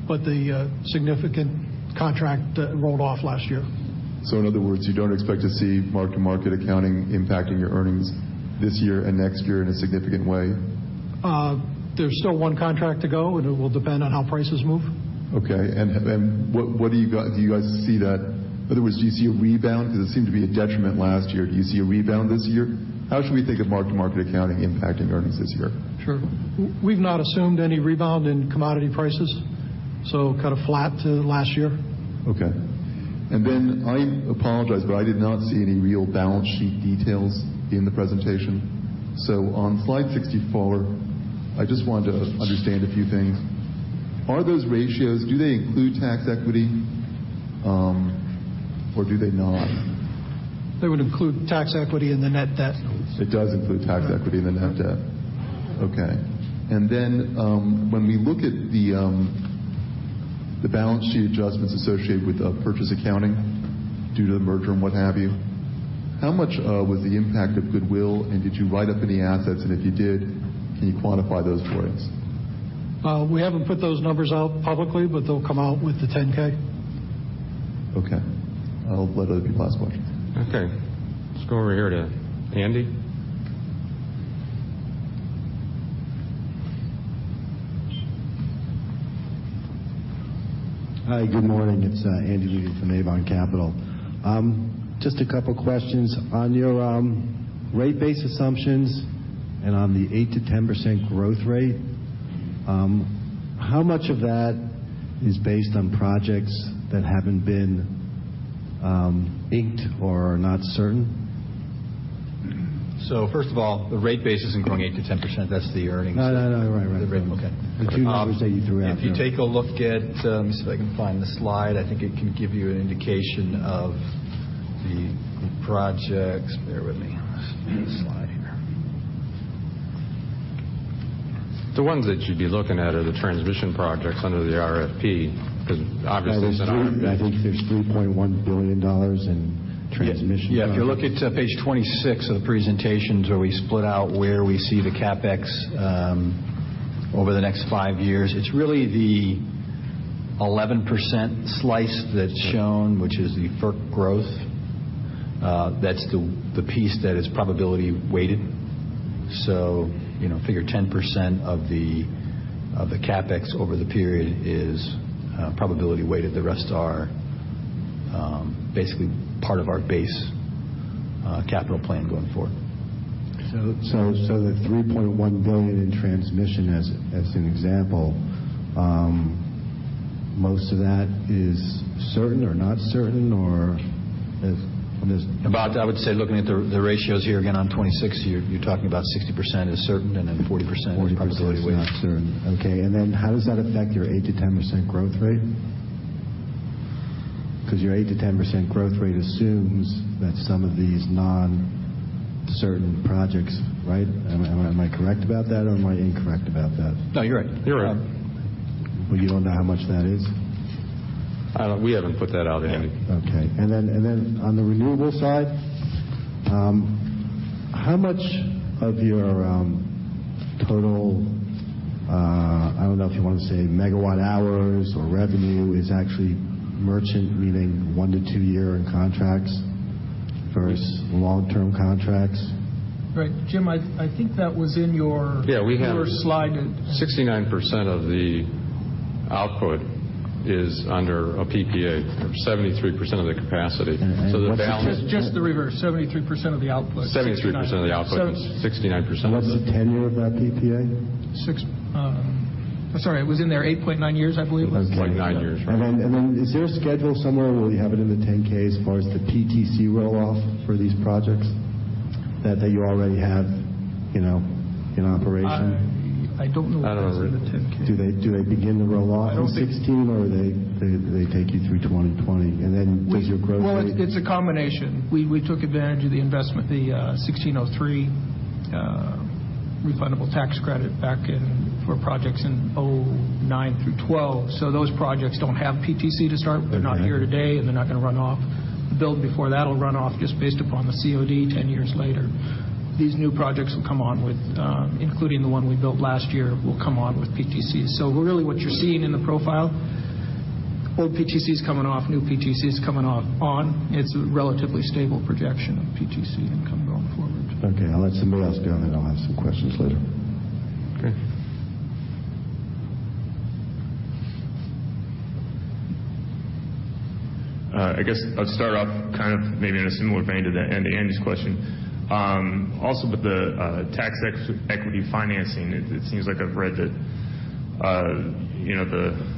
The significant contract rolled off last year. In other words, you don't expect to see mark-to-market accounting impacting your earnings this year and next year in a significant way? There's still one contract to go, and it will depend on how prices move. Okay. Do you guys see that, in other words, do you see a rebound? Because it seemed to be a detriment last year. Do you see a rebound this year? How should we think of mark-to-market accounting impacting earnings this year? Sure. We've not assumed any rebound in commodity prices, kind of flat to last year. Okay. I apologize, but I did not see any real balance sheet details in the presentation. On slide 64, I just wanted to understand a few things. Are those ratios, do they include tax equity? Do they not? They would include tax equity in the net debt. It does include tax equity in the net debt. Okay. Then when we look at the balance sheet adjustments associated with purchase accounting due to the merger and what have you, how much was the impact of goodwill, and did you write up any assets? And if you did, can you quantify those for us? We haven't put those numbers out publicly, but they'll come out with the 10-K. Okay. I'll let other people ask questions. Okay. Let's go over here to Andy. Hi, good morning. It's Andrew Leedham from Avon Capital. Just a couple questions. On your rate base assumptions and on the 8%-10% growth rate, how much of that is based on projects that haven't been inked or are not certain? First of all, the rate base isn't growing 8%-10%. That's the earnings. No, right. Okay. The two numbers that you threw out, sure. If you take a look, let me see if I can find the slide. I think it can give you an indication of- The projects, bear with me. Let's see the slide here. The ones that you'd be looking at are the transmission projects under the RFP, because obviously- I think there's $3.1 billion in transmission projects. Yeah. If you look at page 26 of the presentations where we split out where we see the CapEx over the next five years, it's really the 11% slice that's shown, which is the FERC growth. That's the piece that is probability weighted. Figure 10% of the CapEx over the period is probability weighted. The rest are basically part of our base capital plan going forward. The $3.1 billion in transmission, as an example, most of that is certain or not certain? About, I would say, looking at the ratios here again on 26, you're talking about 60% is certain and then 40% is probability weighted. 40% is not certain. Okay. How does that affect your 8%-10% growth rate? Because your 8%-10% growth rate assumes that some of these non-certain projects, right? Am I correct about that, or am I incorrect about that? No, you're right. You're right. You don't know how much that is? We haven't put that out yet. Okay. On the renewable side, how much of your total, I don't know if you want to say megawatt hours or revenue, is actually merchant, meaning one to two-year contracts versus long-term contracts? Right. Jim, I think that was in your- Yeah, we have- Your slide- 69% of the output is under a PPA, or 73% of the capacity. The balance- Just the reverse, 73% of the output. 73% of the output and 69%- What's the tenure of that PPA? Sorry, it was in there, 8.9 years, I believe. 8.9 years, right. Is there a schedule somewhere, or will you have it in the 10-Ks as far as the PTC roll-off for these projects that you already have in operation? I don't know if it's in the 10-K. Do they begin to roll off in 2016, or they take you through 2020? Does your growth rate- Well, it's a combination. We took advantage of the investment, the 1603 refundable tax credit back for projects in 2009 through 2012. Those projects don't have PTC to start with. They're not here today, and they're not going to run off. The build before that'll run off just based upon the COD 10 years later. These new projects will come on with, including the one we built last year, will come on with PTCs. Really what you're seeing in the profile, old PTC is coming off, new PTC is coming on. It's a relatively stable projection of PTC income going forward. Okay. I'll let somebody else go, then I'll ask some questions later. Okay. I guess I'll start off maybe in a similar vein to Andy's question. Also with the tax equity financing, it seems like I've read that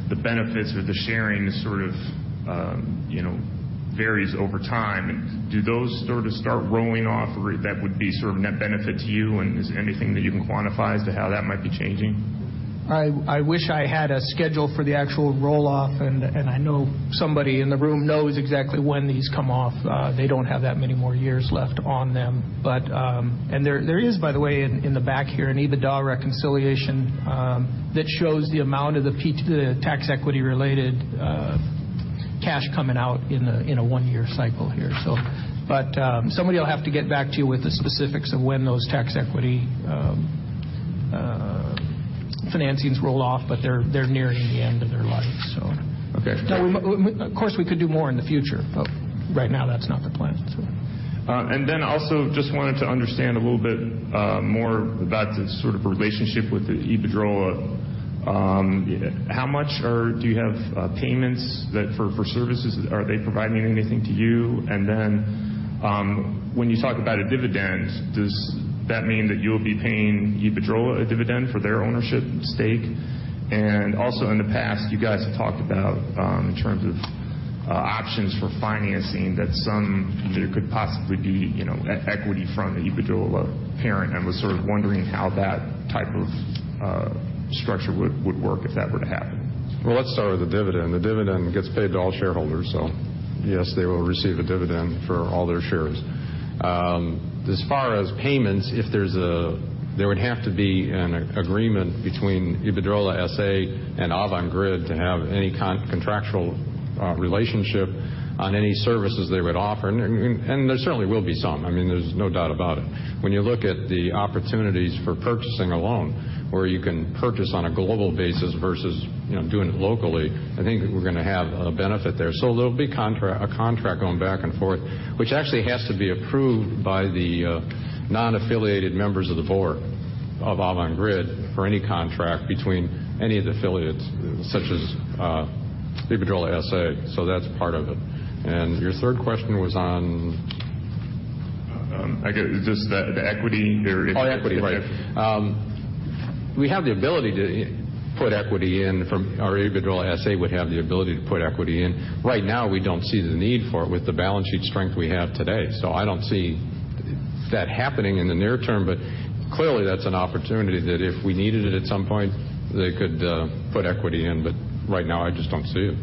the benefits or the sharing sort of varies over time. Do those start rolling off, or that would be net benefit to you? Is there anything that you can quantify as to how that might be changing? I wish I had a schedule for the actual roll-off. I know somebody in the room knows exactly when these come off. They don't have that many more years left on them. There is, by the way, in the back here, an EBITDA reconciliation that shows the amount of the tax equity-related cash coming out in a one-year cycle here. Somebody'll have to get back to you with the specifics of when those tax equity financings roll off, but they're nearing the end of their life. Okay. Of course, we could do more in the future. Right now, that's not the plan. Also just wanted to understand a little bit more about the sort of relationship with the Iberdrola. How much, or do you have payments for services? Are they providing anything to you? When you talk about a dividend, does that mean that you'll be paying Iberdrola a dividend for their ownership stake? Also in the past, you guys have talked about, in terms of options for financing, that some could possibly be equity from the Iberdrola parent. I was sort of wondering how that type of structure would work if that were to happen. Well, let's start with the dividend. The dividend gets paid to all shareholders. Yes, they will receive a dividend for all their shares. As far as payments, there would have to be an agreement between Iberdrola, S.A. and Avangrid to have any contractual relationship on any services they would offer. There certainly will be some. There's no doubt about it. When you look at the opportunities for purchasing alone, where you can purchase on a global basis versus doing it locally, I think we're going to have a benefit there. There'll be a contract going back and forth, which actually has to be approved by the non-affiliated members of the board of Avangrid for any contract between any of the affiliates, such as Iberdrola, S.A. That's part of it. Your third question was on? Just the equity or. Oh, equity. Right. We have the ability to put equity in, or Iberdrola S.A. would have the ability to put equity in. Right now, we don't see the need for it with the balance sheet strength we have today. That happening in the near term, clearly that's an opportunity that if we needed it at some point, they could put equity in. Right now, I just don't see it.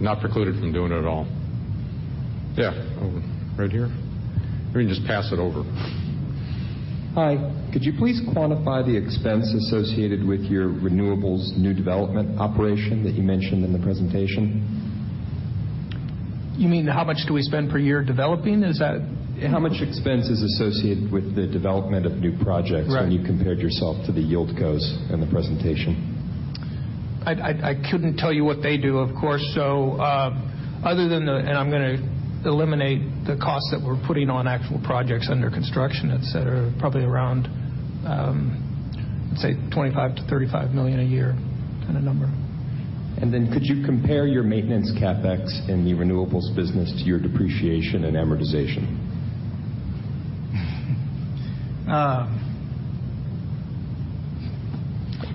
Not precluded from doing it at all. Yeah. Over. Right here. Or you can just pass it over. Hi. Could you please quantify the expense associated with your renewables new development operation that you mentioned in the presentation? You mean how much do we spend per year developing? Is that? How much expense is associated with the development of new projects? Right When you compared yourself to the yieldcos in the presentation? I couldn't tell you what they do, of course. Other than I'm going to eliminate the costs that we're putting on actual projects under construction, et cetera, probably around, say $25 million-$35 million a year kind of number. Could you compare your maintenance CapEx in the renewables business to your depreciation and amortization?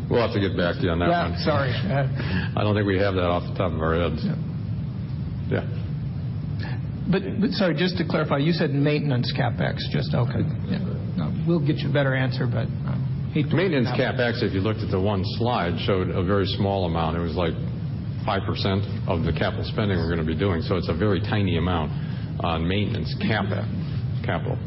We'll have to get back to you on that one. Yeah, sorry. I don't think we have that off the top of our heads. Yeah. Yeah. Sorry, just to clarify, you said maintenance CapEx just now? Yes. Okay. Yeah. No, we'll get you a better answer. Maintenance CapEx, if you looked at the one slide, showed a very small amount. It was like 5% of the capital spending we're going to be doing. It's a very tiny amount on maintenance capital.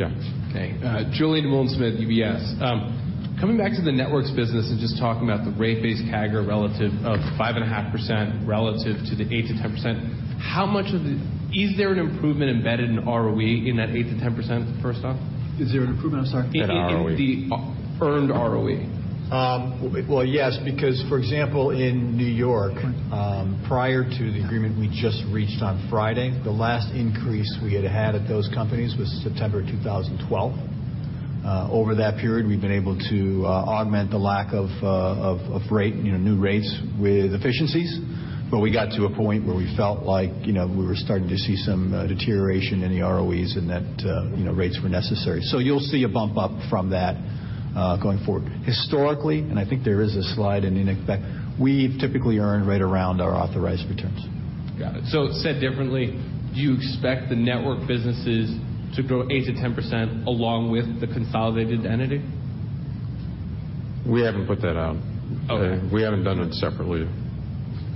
Yeah. Okay. Julien Dumoulin-Smith, UBS. Coming back to the Networks business and just talking about the rate-based CAGR relative of 5.5% relative to the 8% to 10%. Is there an improvement embedded in ROE in that 8% to 10% first off? Is there an improvement? I'm sorry. In ROE. In the earned ROE. Yes, because for example, in New York, prior to the agreement we just reached on Friday, the last increase we had had at those companies was September 2012. Over that period, we've been able to augment the lack of new rates with efficiencies. We got to a point where we felt like we were starting to see some deterioration in the ROEs and that rates were necessary. You'll see a bump up from that going forward. Historically, and I think there is a slide and you can expect, we've typically earned right around our authorized returns. Got it. Said differently, do you expect the network businesses to grow 8%-10% along with the consolidated entity? We haven't put that out. Okay. We haven't done it separately.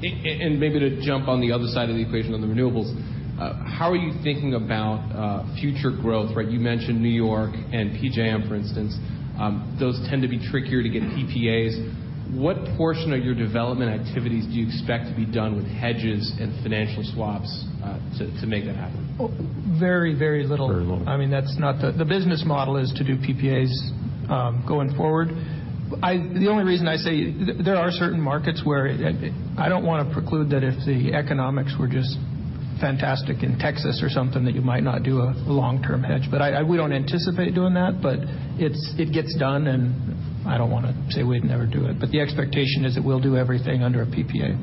Maybe to jump on the other side of the equation on the renewables, how are you thinking about future growth, right? You mentioned New York and PJM, for instance. Those tend to be trickier to get PPAs. What portion of your development activities do you expect to be done with hedges and financial swaps to make that happen? Very little. Very little. The business model is to do PPAs going forward. The only reason I say there are certain markets where I don't want to preclude that if the economics were just fantastic in Texas or something, that you might not do a long-term hedge. We don't anticipate doing that, but it gets done, and I don't want to say we'd never do it. The expectation is that we'll do everything under a PPA.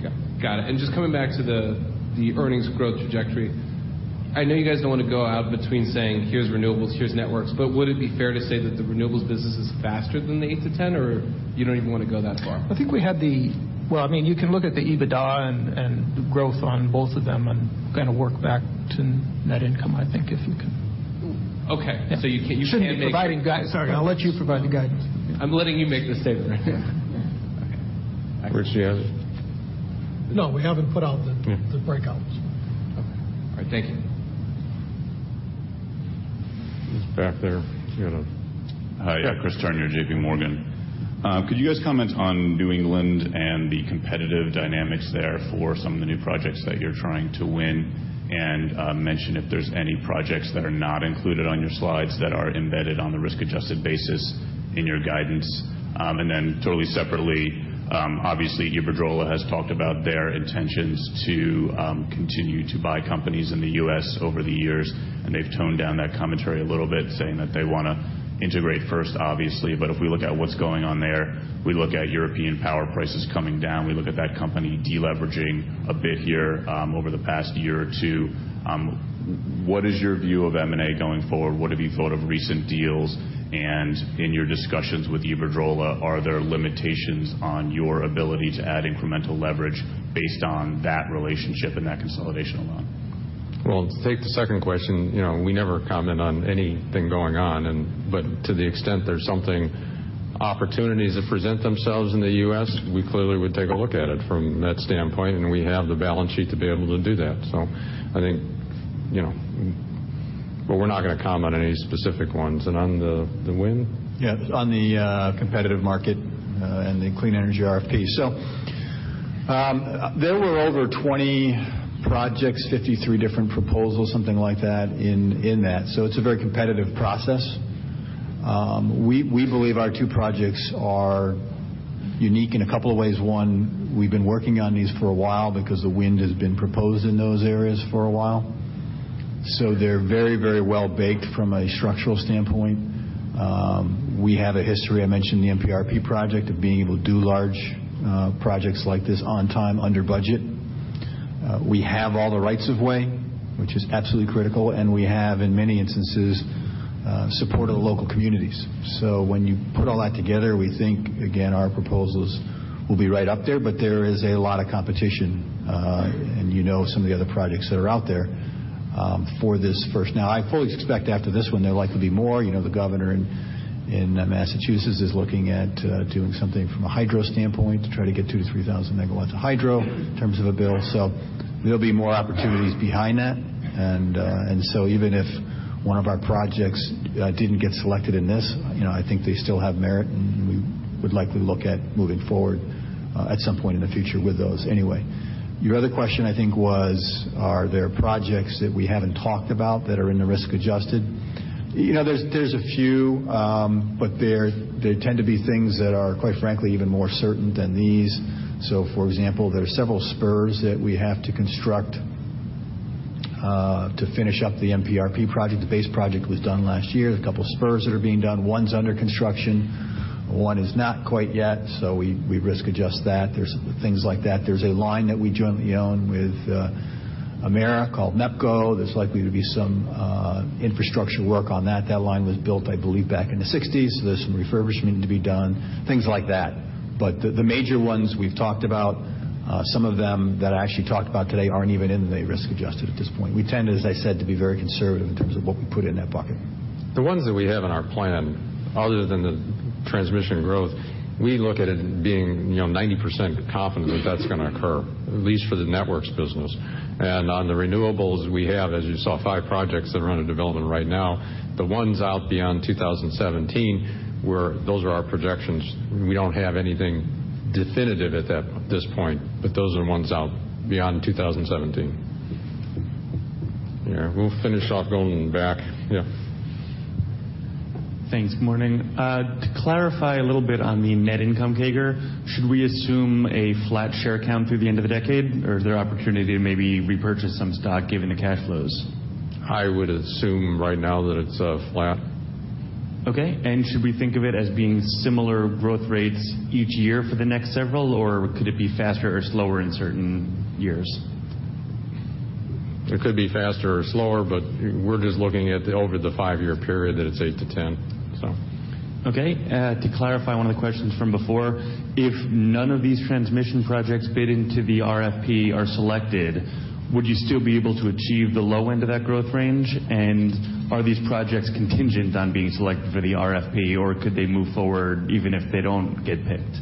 Okay. Got it. Just coming back to the earnings growth trajectory. I know you guys don't want to go out between saying, "Here's renewables, here's networks," would it be fair to say that the renewables business is faster than the 8-10, or you don't even want to go that far? Well, you can look at the EBITDA and the growth on both of them and kind of work back to net income, I think if you can. Okay. You can. Shouldn't be providing guidance. Sorry. I'll let you provide the guidance. I'm letting you make the statement. Yeah. Okay. Where's she at? No, we haven't put out the breakouts. Okay. All right, thank you. Just back there. Hi. Yeah. Chris Turner, JPMorgan. Could you guys comment on New England and the competitive dynamics there for some of the new projects that you're trying to win? Mention if there's any projects that are not included on your slides that are embedded on the risk-adjusted basis in your guidance. Totally separately, obviously Iberdrola has talked about their intentions to continue to buy companies in the U.S. over the years, and they've toned down that commentary a little bit, saying that they want to integrate first, obviously. If we look at what's going on there, we look at European power prices coming down, we look at that company de-leveraging a bit here over the past year or two. What is your view of M&A going forward? What have you thought of recent deals? In your discussions with Iberdrola, are there limitations on your ability to add incremental leverage based on that relationship and that consolidation alone? Well, to take the second question, we never comment on anything going on. To the extent there's something, opportunities that present themselves in the U.S., we clearly would take a look at it from that standpoint, and we have the balance sheet to be able to do that. We're not going to comment on any specific ones. On the wind? Yeah, on the competitive market and the clean energy RFP. There were over 20 projects, 53 different proposals, something like that in that. It's a very competitive process. We believe our two projects are unique in a couple of ways. One, we've been working on these for a while because the wind has been proposed in those areas for a while. They're very, very well baked from a structural standpoint. We have a history, I mentioned the MPRP project, of being able to do large projects like this on time, under budget. We have all the rights of way, which is absolutely critical, and we have, in many instances Support of the local communities. When you put all that together, we think, again, our proposals will be right up there, but there is a lot of competition, and you know some of the other projects that are out there for this first. I fully expect after this one, there will likely be more. The governor in Massachusetts is looking at doing something from a hydro standpoint to try to get 2,000 to 3,000 megawatts of hydro in terms of a bill. There'll be more opportunities behind that. Even if one of our projects didn't get selected in this, I think they still have merit, and we would likely look at moving forward, at some point in the future with those anyway. Your other question, I think was, are there projects that we haven't talked about that are in the risk-adjusted? There are a few, they tend to be things that are, quite frankly, even more certain than these. For example, there are several spurs that we have to construct to finish up the MPRP project. The base project was done last year. There are a couple of spurs that are being done. One is under construction, one is not quite yet, we risk-adjust that. There are things like that. There is a line that we jointly own with Emera called NEPCO. There is likely to be some infrastructure work on that. That line was built, I believe, back in the '60s, there is some refurbishment to be done, things like that. The major ones we've talked about. Some of them that I actually talked about today aren't even in the risk-adjusted at this point. We tend, as I said, to be very conservative in terms of what we put in that bucket. The ones that we have in our plan other than the transmission growth, we look at it being 90% confident that that's going to occur, at least for the Networks business. On the Renewables, we have, as you saw, five projects that are under development right now. The ones out beyond 2017, those are our projections. We don't have anything definitive at this point, those are the ones out beyond 2017. Yeah. We'll finish off going back. Yeah. Thanks. Morning. To clarify a little bit on the net income CAGR, should we assume a flat share count through the end of the decade? Is there opportunity to maybe repurchase some stock given the cash flows? I would assume right now that it's flat. Okay. Should we think of it as being similar growth rates each year for the next several, or could it be faster or slower in certain years? It could be faster or slower, we're just looking at over the five-year period that it's 8%-10%. Okay. To clarify one of the questions from before, if none of these transmission projects bid into the RFP are selected, would you still be able to achieve the low end of that growth range? Are these projects contingent on being selected for the RFP, or could they move forward even if they don't get picked?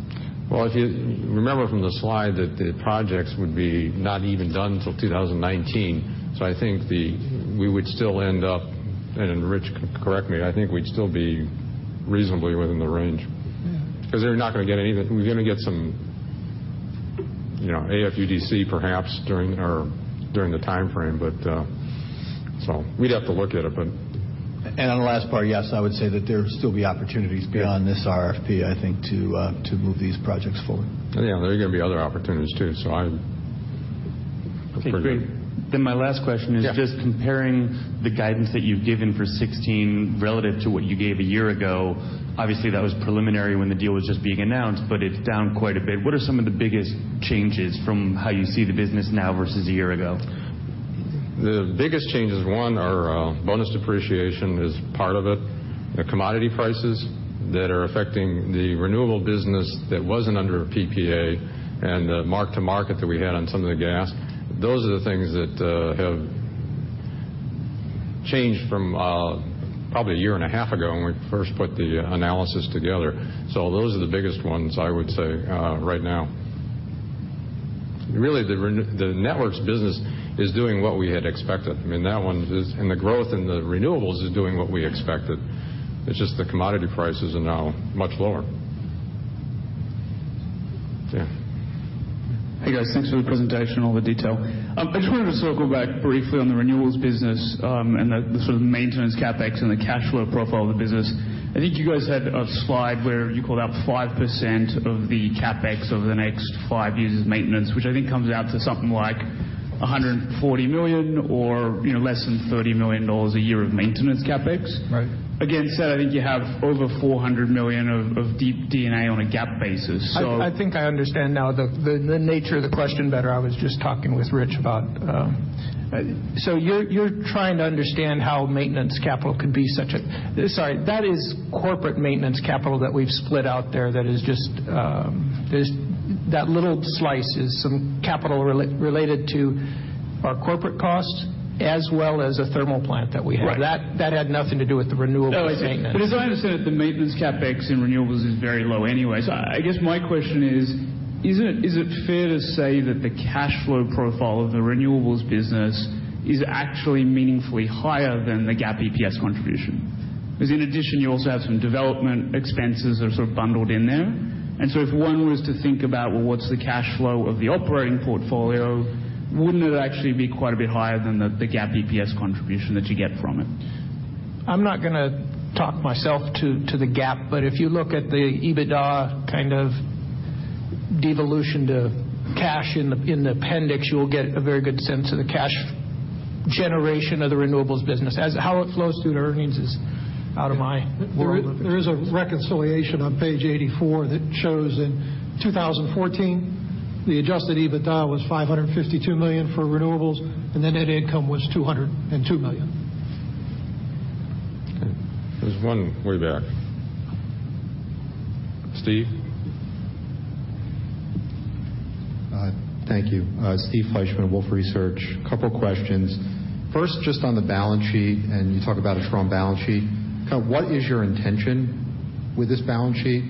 Well, if you remember from the slide that the projects would be not even done till 2019, so I think we would still end up, and Rich can correct me, I think we'd still be reasonably within the range. Yeah. We're going to get some AFUDC perhaps during the timeframe. We'd have to look at it. On the last part, yes, I would say that there'd still be opportunities beyond this RFP, I think, to move these projects forward. Yeah, there are going to be other opportunities too. I'm pretty. Okay, great. My last question is. Yeah comparing the guidance that you've given for 2016 relative to what you gave a year ago. Obviously, that was preliminary when the deal was just being announced, it's down quite a bit. What are some of the biggest changes from how you see the business now versus a year ago? The biggest changes, one, are bonus depreciation is part of it. The commodity prices that are affecting the renewable business that wasn't under a PPA and the mark-to-market that we had on some of the gas. Those are the things that have changed from probably a year and a half ago when we first put the analysis together. Those are the biggest ones I would say right now. Really, the networks business is doing what we had expected. The growth in the renewables is doing what we expected. It's just the commodity prices are now much lower. Dan. Hey, guys. Thanks for the presentation, all the detail. I just wanted to circle back briefly on the renewables business, and the sort of maintenance CapEx and the cash flow profile of the business. I think you guys had a slide where you called out 5% of the CapEx over the next five years as maintenance, which I think comes out to something like $140 million or less than $30 million a year of maintenance CapEx. Right. Again, Seth, I think you have over $400 million of D&A on a GAAP basis. I think I understand now the nature of the question better. I was just talking with Rich about it. You're trying to understand how maintenance capital could be. Sorry, that is corporate maintenance capital that we've split out there. That little slice is some capital related to our corporate costs as well as a thermal plant that we have. Right. That had nothing to do with the renewables maintenance. No, I see. As I understand it, the maintenance CapEx in renewables is very low anyway. I guess my question is it fair to say that the cash flow profile of the renewables business is actually meaningfully higher than the GAAP EPS contribution? Because in addition, you also have some development expenses are sort of bundled in there. If one was to think about, well, what's the cash flow of the operating portfolio, wouldn't it actually be quite a bit higher than the GAAP EPS contribution that you get from it? I'm not going to talk myself to the GAAP, if you look at the EBITDA kind of devolution to cash in the appendix, you will get a very good sense of the cash generation of the renewables business. How it flows through to earnings is out of my world. There is a reconciliation on page 84 that shows in 2014 The adjusted EBITDA was $552 million for renewables. The net income was $202 million. Okay. There's one way back. Steve? Thank you. Steve Fleishman, Wolfe Research. Couple questions. First, just on the balance sheet. You talk about a strong balance sheet. What is your intention with this balance sheet?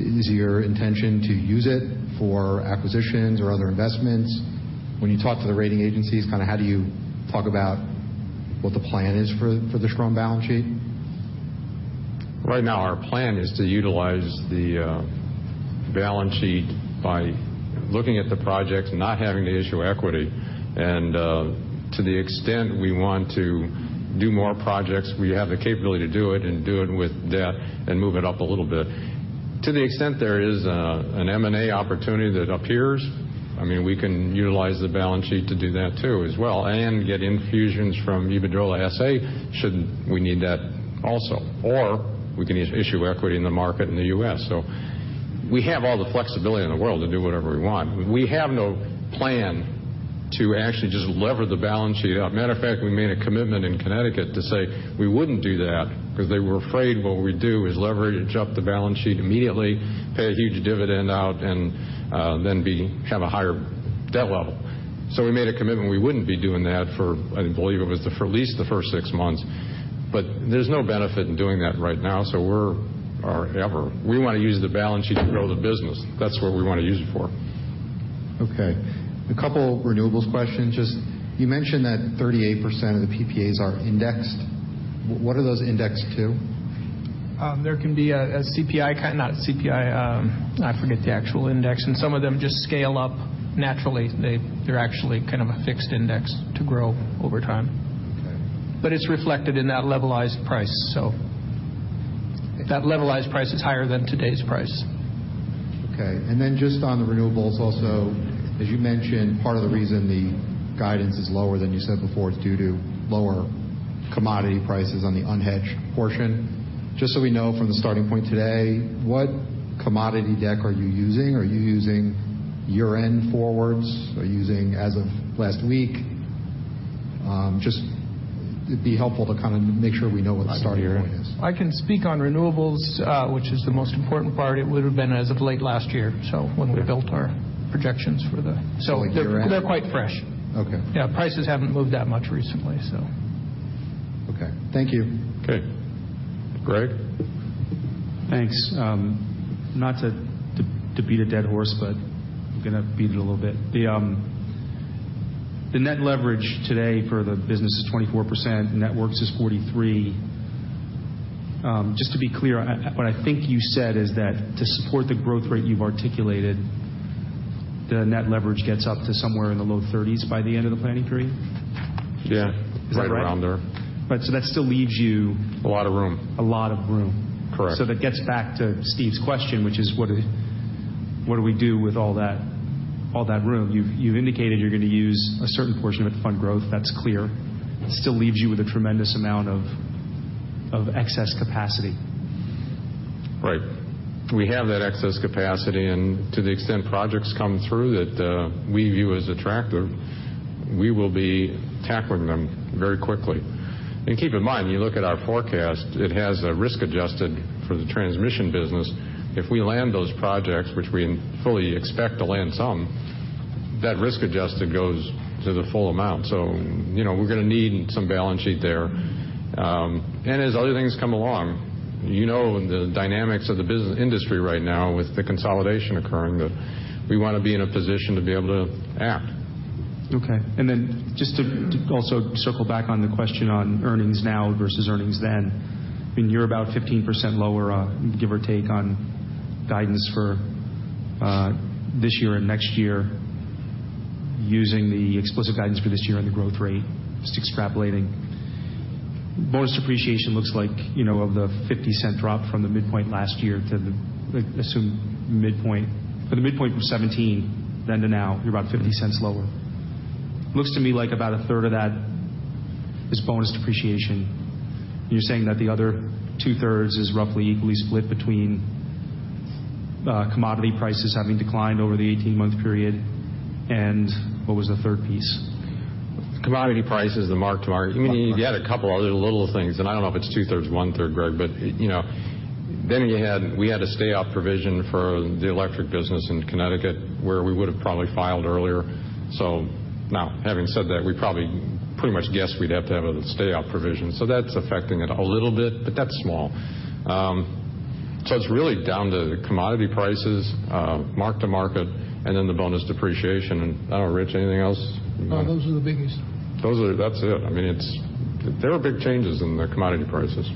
Is your intention to use it for acquisitions or other investments? When you talk to the rating agencies, how do you talk about what the plan is for the strong balance sheet? Right now, our plan is to utilize the balance sheet by looking at the projects, not having to issue equity. To the extent we want to do more projects, we have the capability to do it and do it with debt and move it up a little bit. To the extent there is an M&A opportunity that appears, we can utilize the balance sheet to do that too as well, and get infusions from Iberdrola S.A. should we need that also. Or we can issue equity in the market in the U.S. We have all the flexibility in the world to do whatever we want. We have no plan to actually just lever the balance sheet up. Matter of fact, we made a commitment in Connecticut to say we wouldn't do that because they were afraid what we'd do is leverage up the balance sheet immediately, pay a huge dividend out, and then have a higher debt level. We made a commitment we wouldn't be doing that for, I believe it was at least the first six months. There's no benefit in doing that right now. Or ever. We want to use the balance sheet to grow the business. That's what we want to use it for. Okay. A couple renewables questions. You mentioned that 38% of the PPAs are indexed. What are those indexed to? There can be a CPI, not CPI. I forget the actual index. Some of them just scale up naturally. They're actually kind of a fixed index to grow over time. Okay. It's reflected in that levelized price. That levelized price is higher than today's price. Okay. Just on the renewables also, as you mentioned, part of the reason the guidance is lower than you said before is due to lower commodity prices on the unhedged portion. Just so we know from the starting point today, what commodity deck are you using? Are you using year-end forwards? Are you using as of last week? It'd be helpful to make sure we know what the starting point is. I can speak on renewables, which is the most important part. It would've been as of late last year, so when we built our projections for the- Like year-end? They're quite fresh. Okay. Yeah, prices haven't moved that much recently. Okay. Thank you. Okay. Greg? Thanks. Not to beat a dead horse, I'm going to beat it a little bit. The net leverage today for the business is 24%, networks is 43%. Just to be clear, what I think you said is that to support the growth rate you've articulated, the net leverage gets up to somewhere in the low 30s by the end of the planning period? Yeah. Is that right? Right around there. That still leaves you- A lot of room a lot of room. Correct. That gets back to Steve's question, which is what do we do with all that room? You've indicated you're going to use a certain portion of it to fund growth. That's clear. Still leaves you with a tremendous amount of excess capacity. Right. We have that excess capacity, to the extent projects come through that we view as attractive, we will be tackling them very quickly. Keep in mind, when you look at our forecast, it has a risk-adjusted for the transmission business. If we land those projects, which we fully expect to land some, that risk-adjusted goes to the full amount. We're going to need some balance sheet there. As other things come along, you know the dynamics of the industry right now with the consolidation occurring, that we want to be in a position to be able to act. Okay. Just to also circle back on the question on earnings now versus earnings then, you're about 15% lower, give or take, on guidance for this year and next year using the explicit guidance for this year and the growth rate, just extrapolating. Bonus depreciation looks like of the $0.50 drop from the midpoint last year to the assumed midpoint. For the midpoint from 2017 then to now, you're about $0.50 lower. Looks to me like about a third of that is bonus depreciation. You're saying that the other two-thirds is roughly equally split between commodity prices having declined over the 18-month period, and what was the third piece? Commodity prices, the mark-to-market. You had a couple other little things, I don't know if it's two-thirds, one-third, Greg. We had a stay-out provision for the electric business in Connecticut, where we would've probably filed earlier. Now, having said that, we probably pretty much guessed we'd have to have a stay-out provision. That's affecting it a little bit, but that's small. It's really down to commodity prices, mark-to-market, and then the bonus depreciation. I don't know, Rich, anything else? No, those are the biggest. That's it. There were big changes in the commodity prices.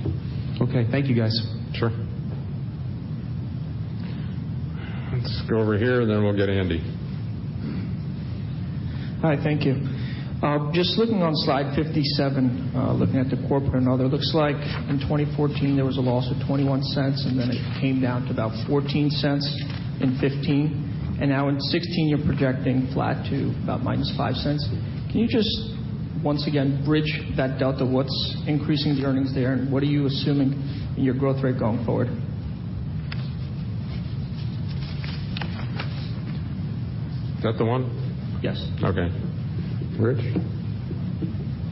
Okay. Thank you, guys. Sure. Let's go over here, and then we'll get Andy. Hi, thank you. Just looking on slide 57, looking at the corporate and all, that looks like in 2014, there was a loss of $0.21, and then it came down to about $0.14 in 2015. Now in 2016, you're projecting flat to about -$0.05. Can you once again, bridge that delta. What's increasing the earnings there, and what are you assuming in your growth rate going forward? Is that the one? Yes. Okay. Rich?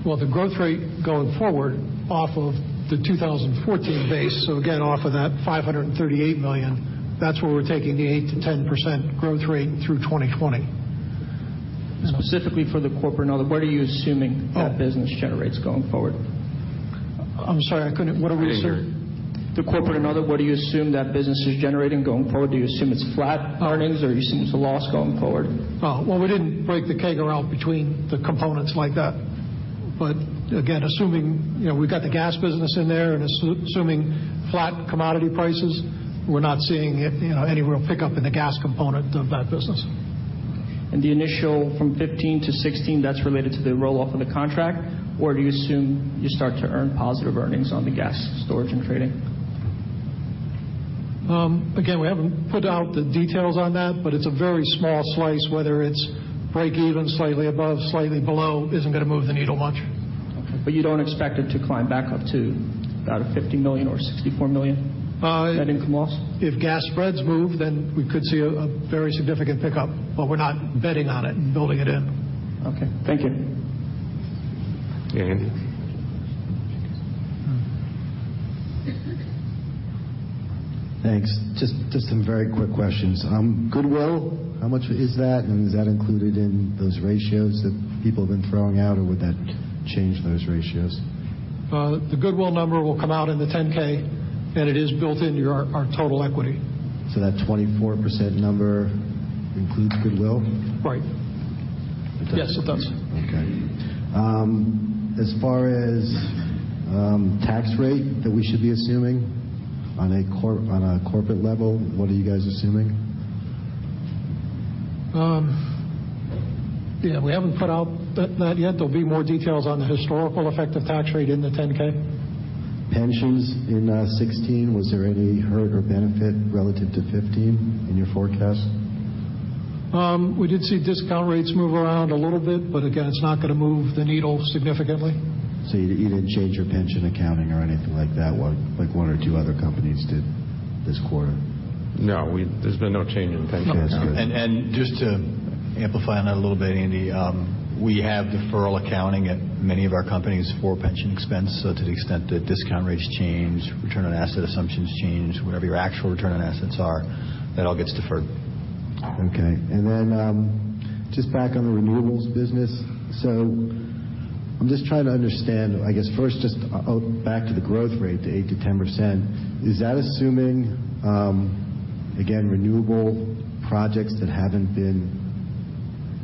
Well, the growth rate going forward off of the 2014 base, so again, off of that $538 million, that's where we're taking the 8%-10% growth rate through 2020. Specifically for the corporate and other, what are you assuming that business generates going forward? I'm sorry. What are we, sir? The corporate and other, what do you assume that business is generating going forward? Do you assume it's flat earnings or you assume it's a loss going forward? Well, we didn't break the CAGR out between the components like that. Again, assuming we've got the gas business in there and assuming flat commodity prices, we're not seeing any real pickup in the gas component of that business. The initial from 2015 to 2016, that's related to the roll-off of the contract? Or do you assume you start to earn positive earnings on the gas storage and trading? Again, we haven't put out the details on that, but it's a very small slice, whether it's break even, slightly above, slightly below, isn't going to move the needle much. Okay. You don't expect it to climb back up to about a $50 million or $64 million net income loss? If gas spreads move, then we could see a very significant pickup, but we're not betting on it and building it in. Okay. Thank you. Andy? Thanks. Just some very quick questions. Goodwill, how much is that? Is that included in those ratios that people have been throwing out, or would that change those ratios? The goodwill number will come out in the 10-K, and it is built into our total equity. That 24% number includes goodwill? Right. It does. Yes, it does. Okay. As far as tax rate that we should be assuming on a corporate level, what are you guys assuming? Yeah, we haven't put out that yet. There'll be more details on the historical effective tax rate in the 10-K. Pensions in 2016, was there any hurt or benefit relative to 2015 in your forecast? We did see discount rates move around a little bit, but again, it's not going to move the needle significantly. You didn't change your pension accounting or anything like that, like one or two other companies did this quarter? There's been no change in pension accounting. Just to amplify on that a little bit, Andy, we have deferral accounting at many of our companies for pension expense. To the extent that discount rates change, return on asset assumptions change, whatever your actual return on assets are, that all gets deferred. Then just back on the renewables business. I'm just trying to understand, I guess, first just back to the growth rate, the 8%-10%. Is that assuming, again, renewable projects that haven't been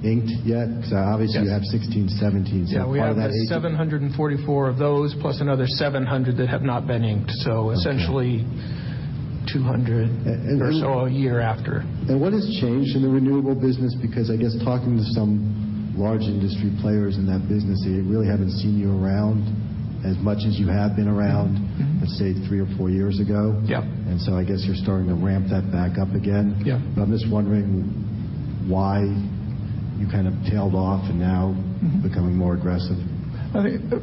inked yet? Yes. Obviously, you have 2016, 2017. Part of that. Yeah. We have 744 of those, plus another 700 that have not been inked. Okay. Essentially 200 or so a year after. What has changed in the renewable business? Because I guess talking to some large industry players in that business, they really haven't seen you around as much as you have been around for, say, three or four years ago. Yeah. I guess you're starting to ramp that back up again. Yeah. I'm just wondering why you kind of tailed off and now becoming more aggressive.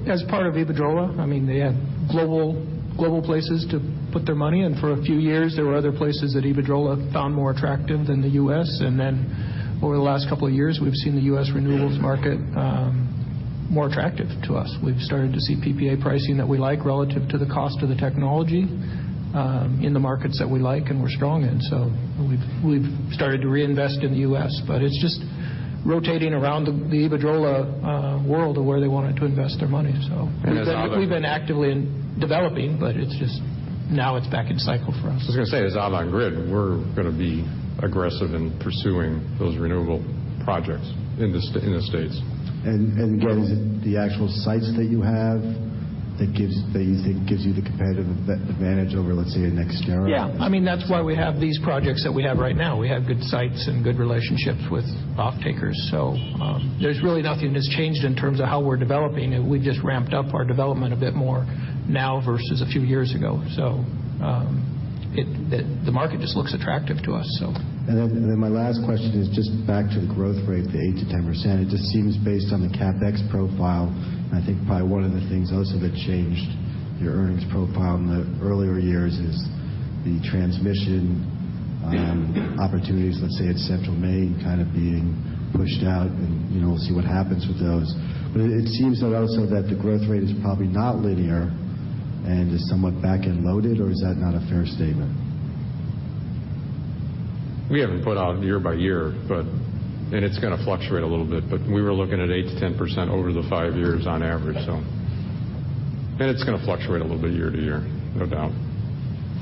As part of Iberdrola, they had global places to put their money in. For a few years, there were other places that Iberdrola found more attractive than the U.S. Over the last couple of years, we've seen the U.S. renewables market more attractive to us. We've started to see PPA pricing that we like relative to the cost of the technology in the markets that we like and we're strong in. We've started to reinvest in the U.S., but it's just rotating around the Iberdrola world of where they wanted to invest their money. As Avangrid- We've been actively developing, now it's back in cycle for us. I was going to say, as Avangrid, we're going to be aggressive in pursuing those renewable projects in the U.S. Is it the actual sites that you have that you think gives you the competitive advantage over, let's say, a NextEra? Yeah. That's why we have these projects that we have right now. We have good sites and good relationships with off-takers. There's really nothing that's changed in terms of how we're developing. We've just ramped up our development a bit more now versus a few years ago. The market just looks attractive to us. My last question is just back to the growth rate, the 8%-10%. It just seems based on the CapEx profile, I think probably one of the things also that changed your earnings profile in the earlier years is the transmission opportunities, let's say, at Central Maine kind of being pushed out, and we'll see what happens with those. It seems that also that the growth rate is probably not linear and is somewhat back-end loaded, or is that not a fair statement? We haven't put out year by year, it's going to fluctuate a little bit, but we were looking at 8%-10% over the five years on average. It's going to fluctuate a little bit year to year, no doubt.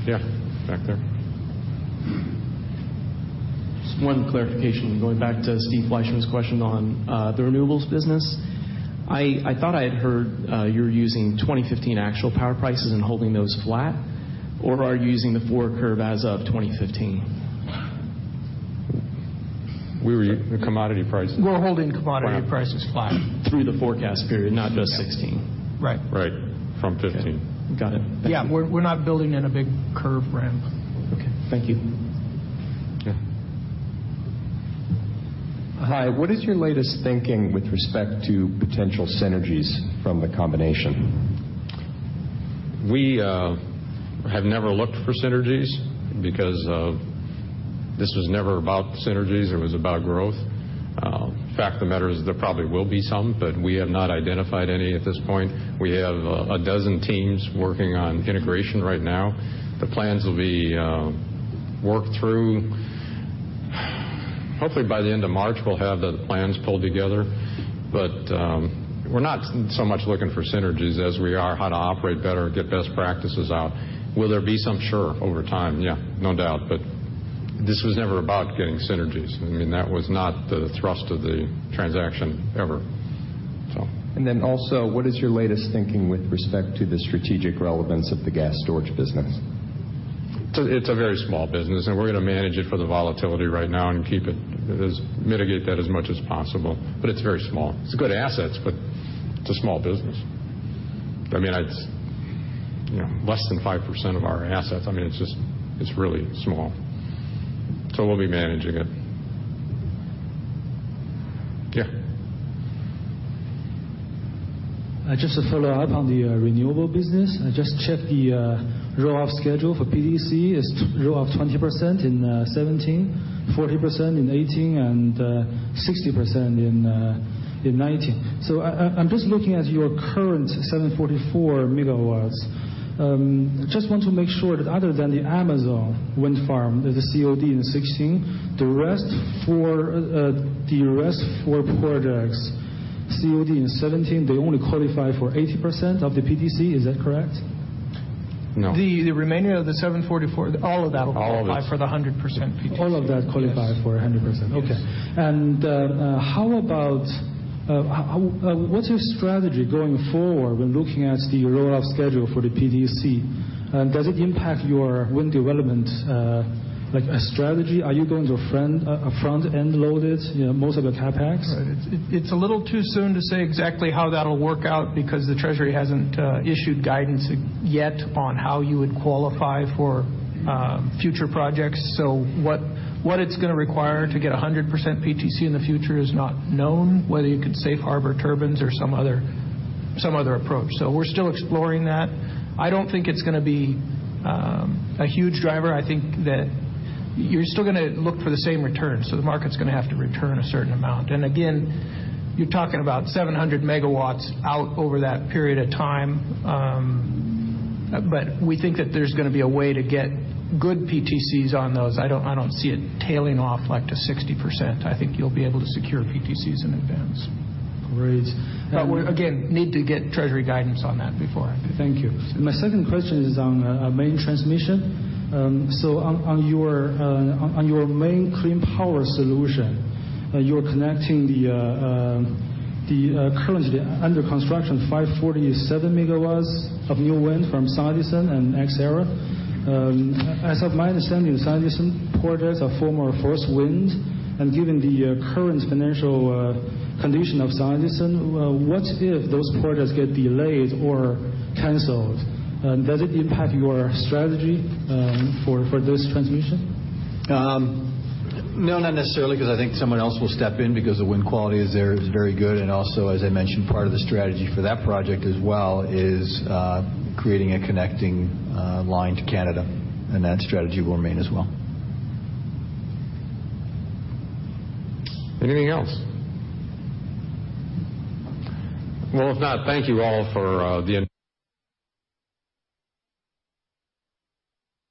Yeah. Back there. Just one clarification. Going back to Steve Fleishman's question on the renewables business. I thought I had heard you're using 2015 actual power prices and holding those flat, or are you using the forward curve as of 2015? We're using commodity price. We're holding commodity prices flat. Through the forecast period, not just 2016. Right. Right. From 2015. Got it. Thank you. Yeah. We're not building in a big curve ramp. Okay. Thank you. Yeah Hi. What is your latest thinking with respect to potential synergies from the combination? We have never looked for synergies because this was never about synergies. It was about growth. Fact of the matter is there probably will be some, but we have not identified any at this point. We have a dozen teams working on integration right now. The plans will be worked through. Hopefully, by the end of March, we'll have the plans pulled together. We're not so much looking for synergies as we are how to operate better and get best practices out. Will there be some? Sure. Over time, yeah. No doubt. This was never about getting synergies. That was not the thrust of the transaction ever. What is your latest thinking with respect to the strategic relevance of the gas storage business? It's a very small business, and we're going to manage it for the volatility right now and mitigate that as much as possible. It's very small. It's good assets, but it's a small business. It's less than 5% of our assets. It's really small. We'll be managing it. Yeah. Just to follow up on the renewable business, I just checked the roll-off schedule for PTC. It's roll-off 20% in 2017, 40% in 2018, and 60% in 2019. I'm just looking at your current 744 megawatts. Just want to make sure that other than the Amazon Wind Farm, the COD in 2016, the rest four projects, COD in 2017, they only qualify for 80% of the PTC. Is that correct? No. The remaining of the 744, all of that will qualify. All of it for the 100% PTC. All of that qualify for 100%? Yes. Okay. What's your strategy going forward when looking at the roll-off schedule for the PTC? Does it impact your wind development, like a strategy? Are you going to front-end load it, most of the CapEx? It's a little too soon to say exactly how that'll work out because the Treasury hasn't issued guidance yet on how you would qualify for future projects. What it's going to require to get 100% PTC in the future is not known, whether you could safe harbor turbines or some other approach. We're still exploring that. I don't think it's going to be a huge driver. I think that you're still going to look for the same return. The market's going to have to return a certain amount. Again, you're talking about 700 megawatts out over that period of time. We think that there's going to be a way to get good PTCs on those. I don't see it tailing off to 60%. I think you'll be able to secure PTCs in advance. Great. We're, again, need to get Treasury guidance on that before. Thank you. My second question is on Maine transmission. On your Maine Clean Power Connection, you're connecting currently under construction 547 megawatts of new wind from SunEdison and NextEra Energy. As of my understanding, SunEdison projects are former First Wind, and given the current financial condition of SunEdison, what if those projects get delayed or canceled? Does it impact your strategy for this transmission? No, not necessarily, because I think someone else will step in because the wind quality there is very good, and also, as I mentioned, part of the strategy for that project as well is creating a connecting line to Canada. That strategy will remain as well. Anything else? If not, thank you all for the-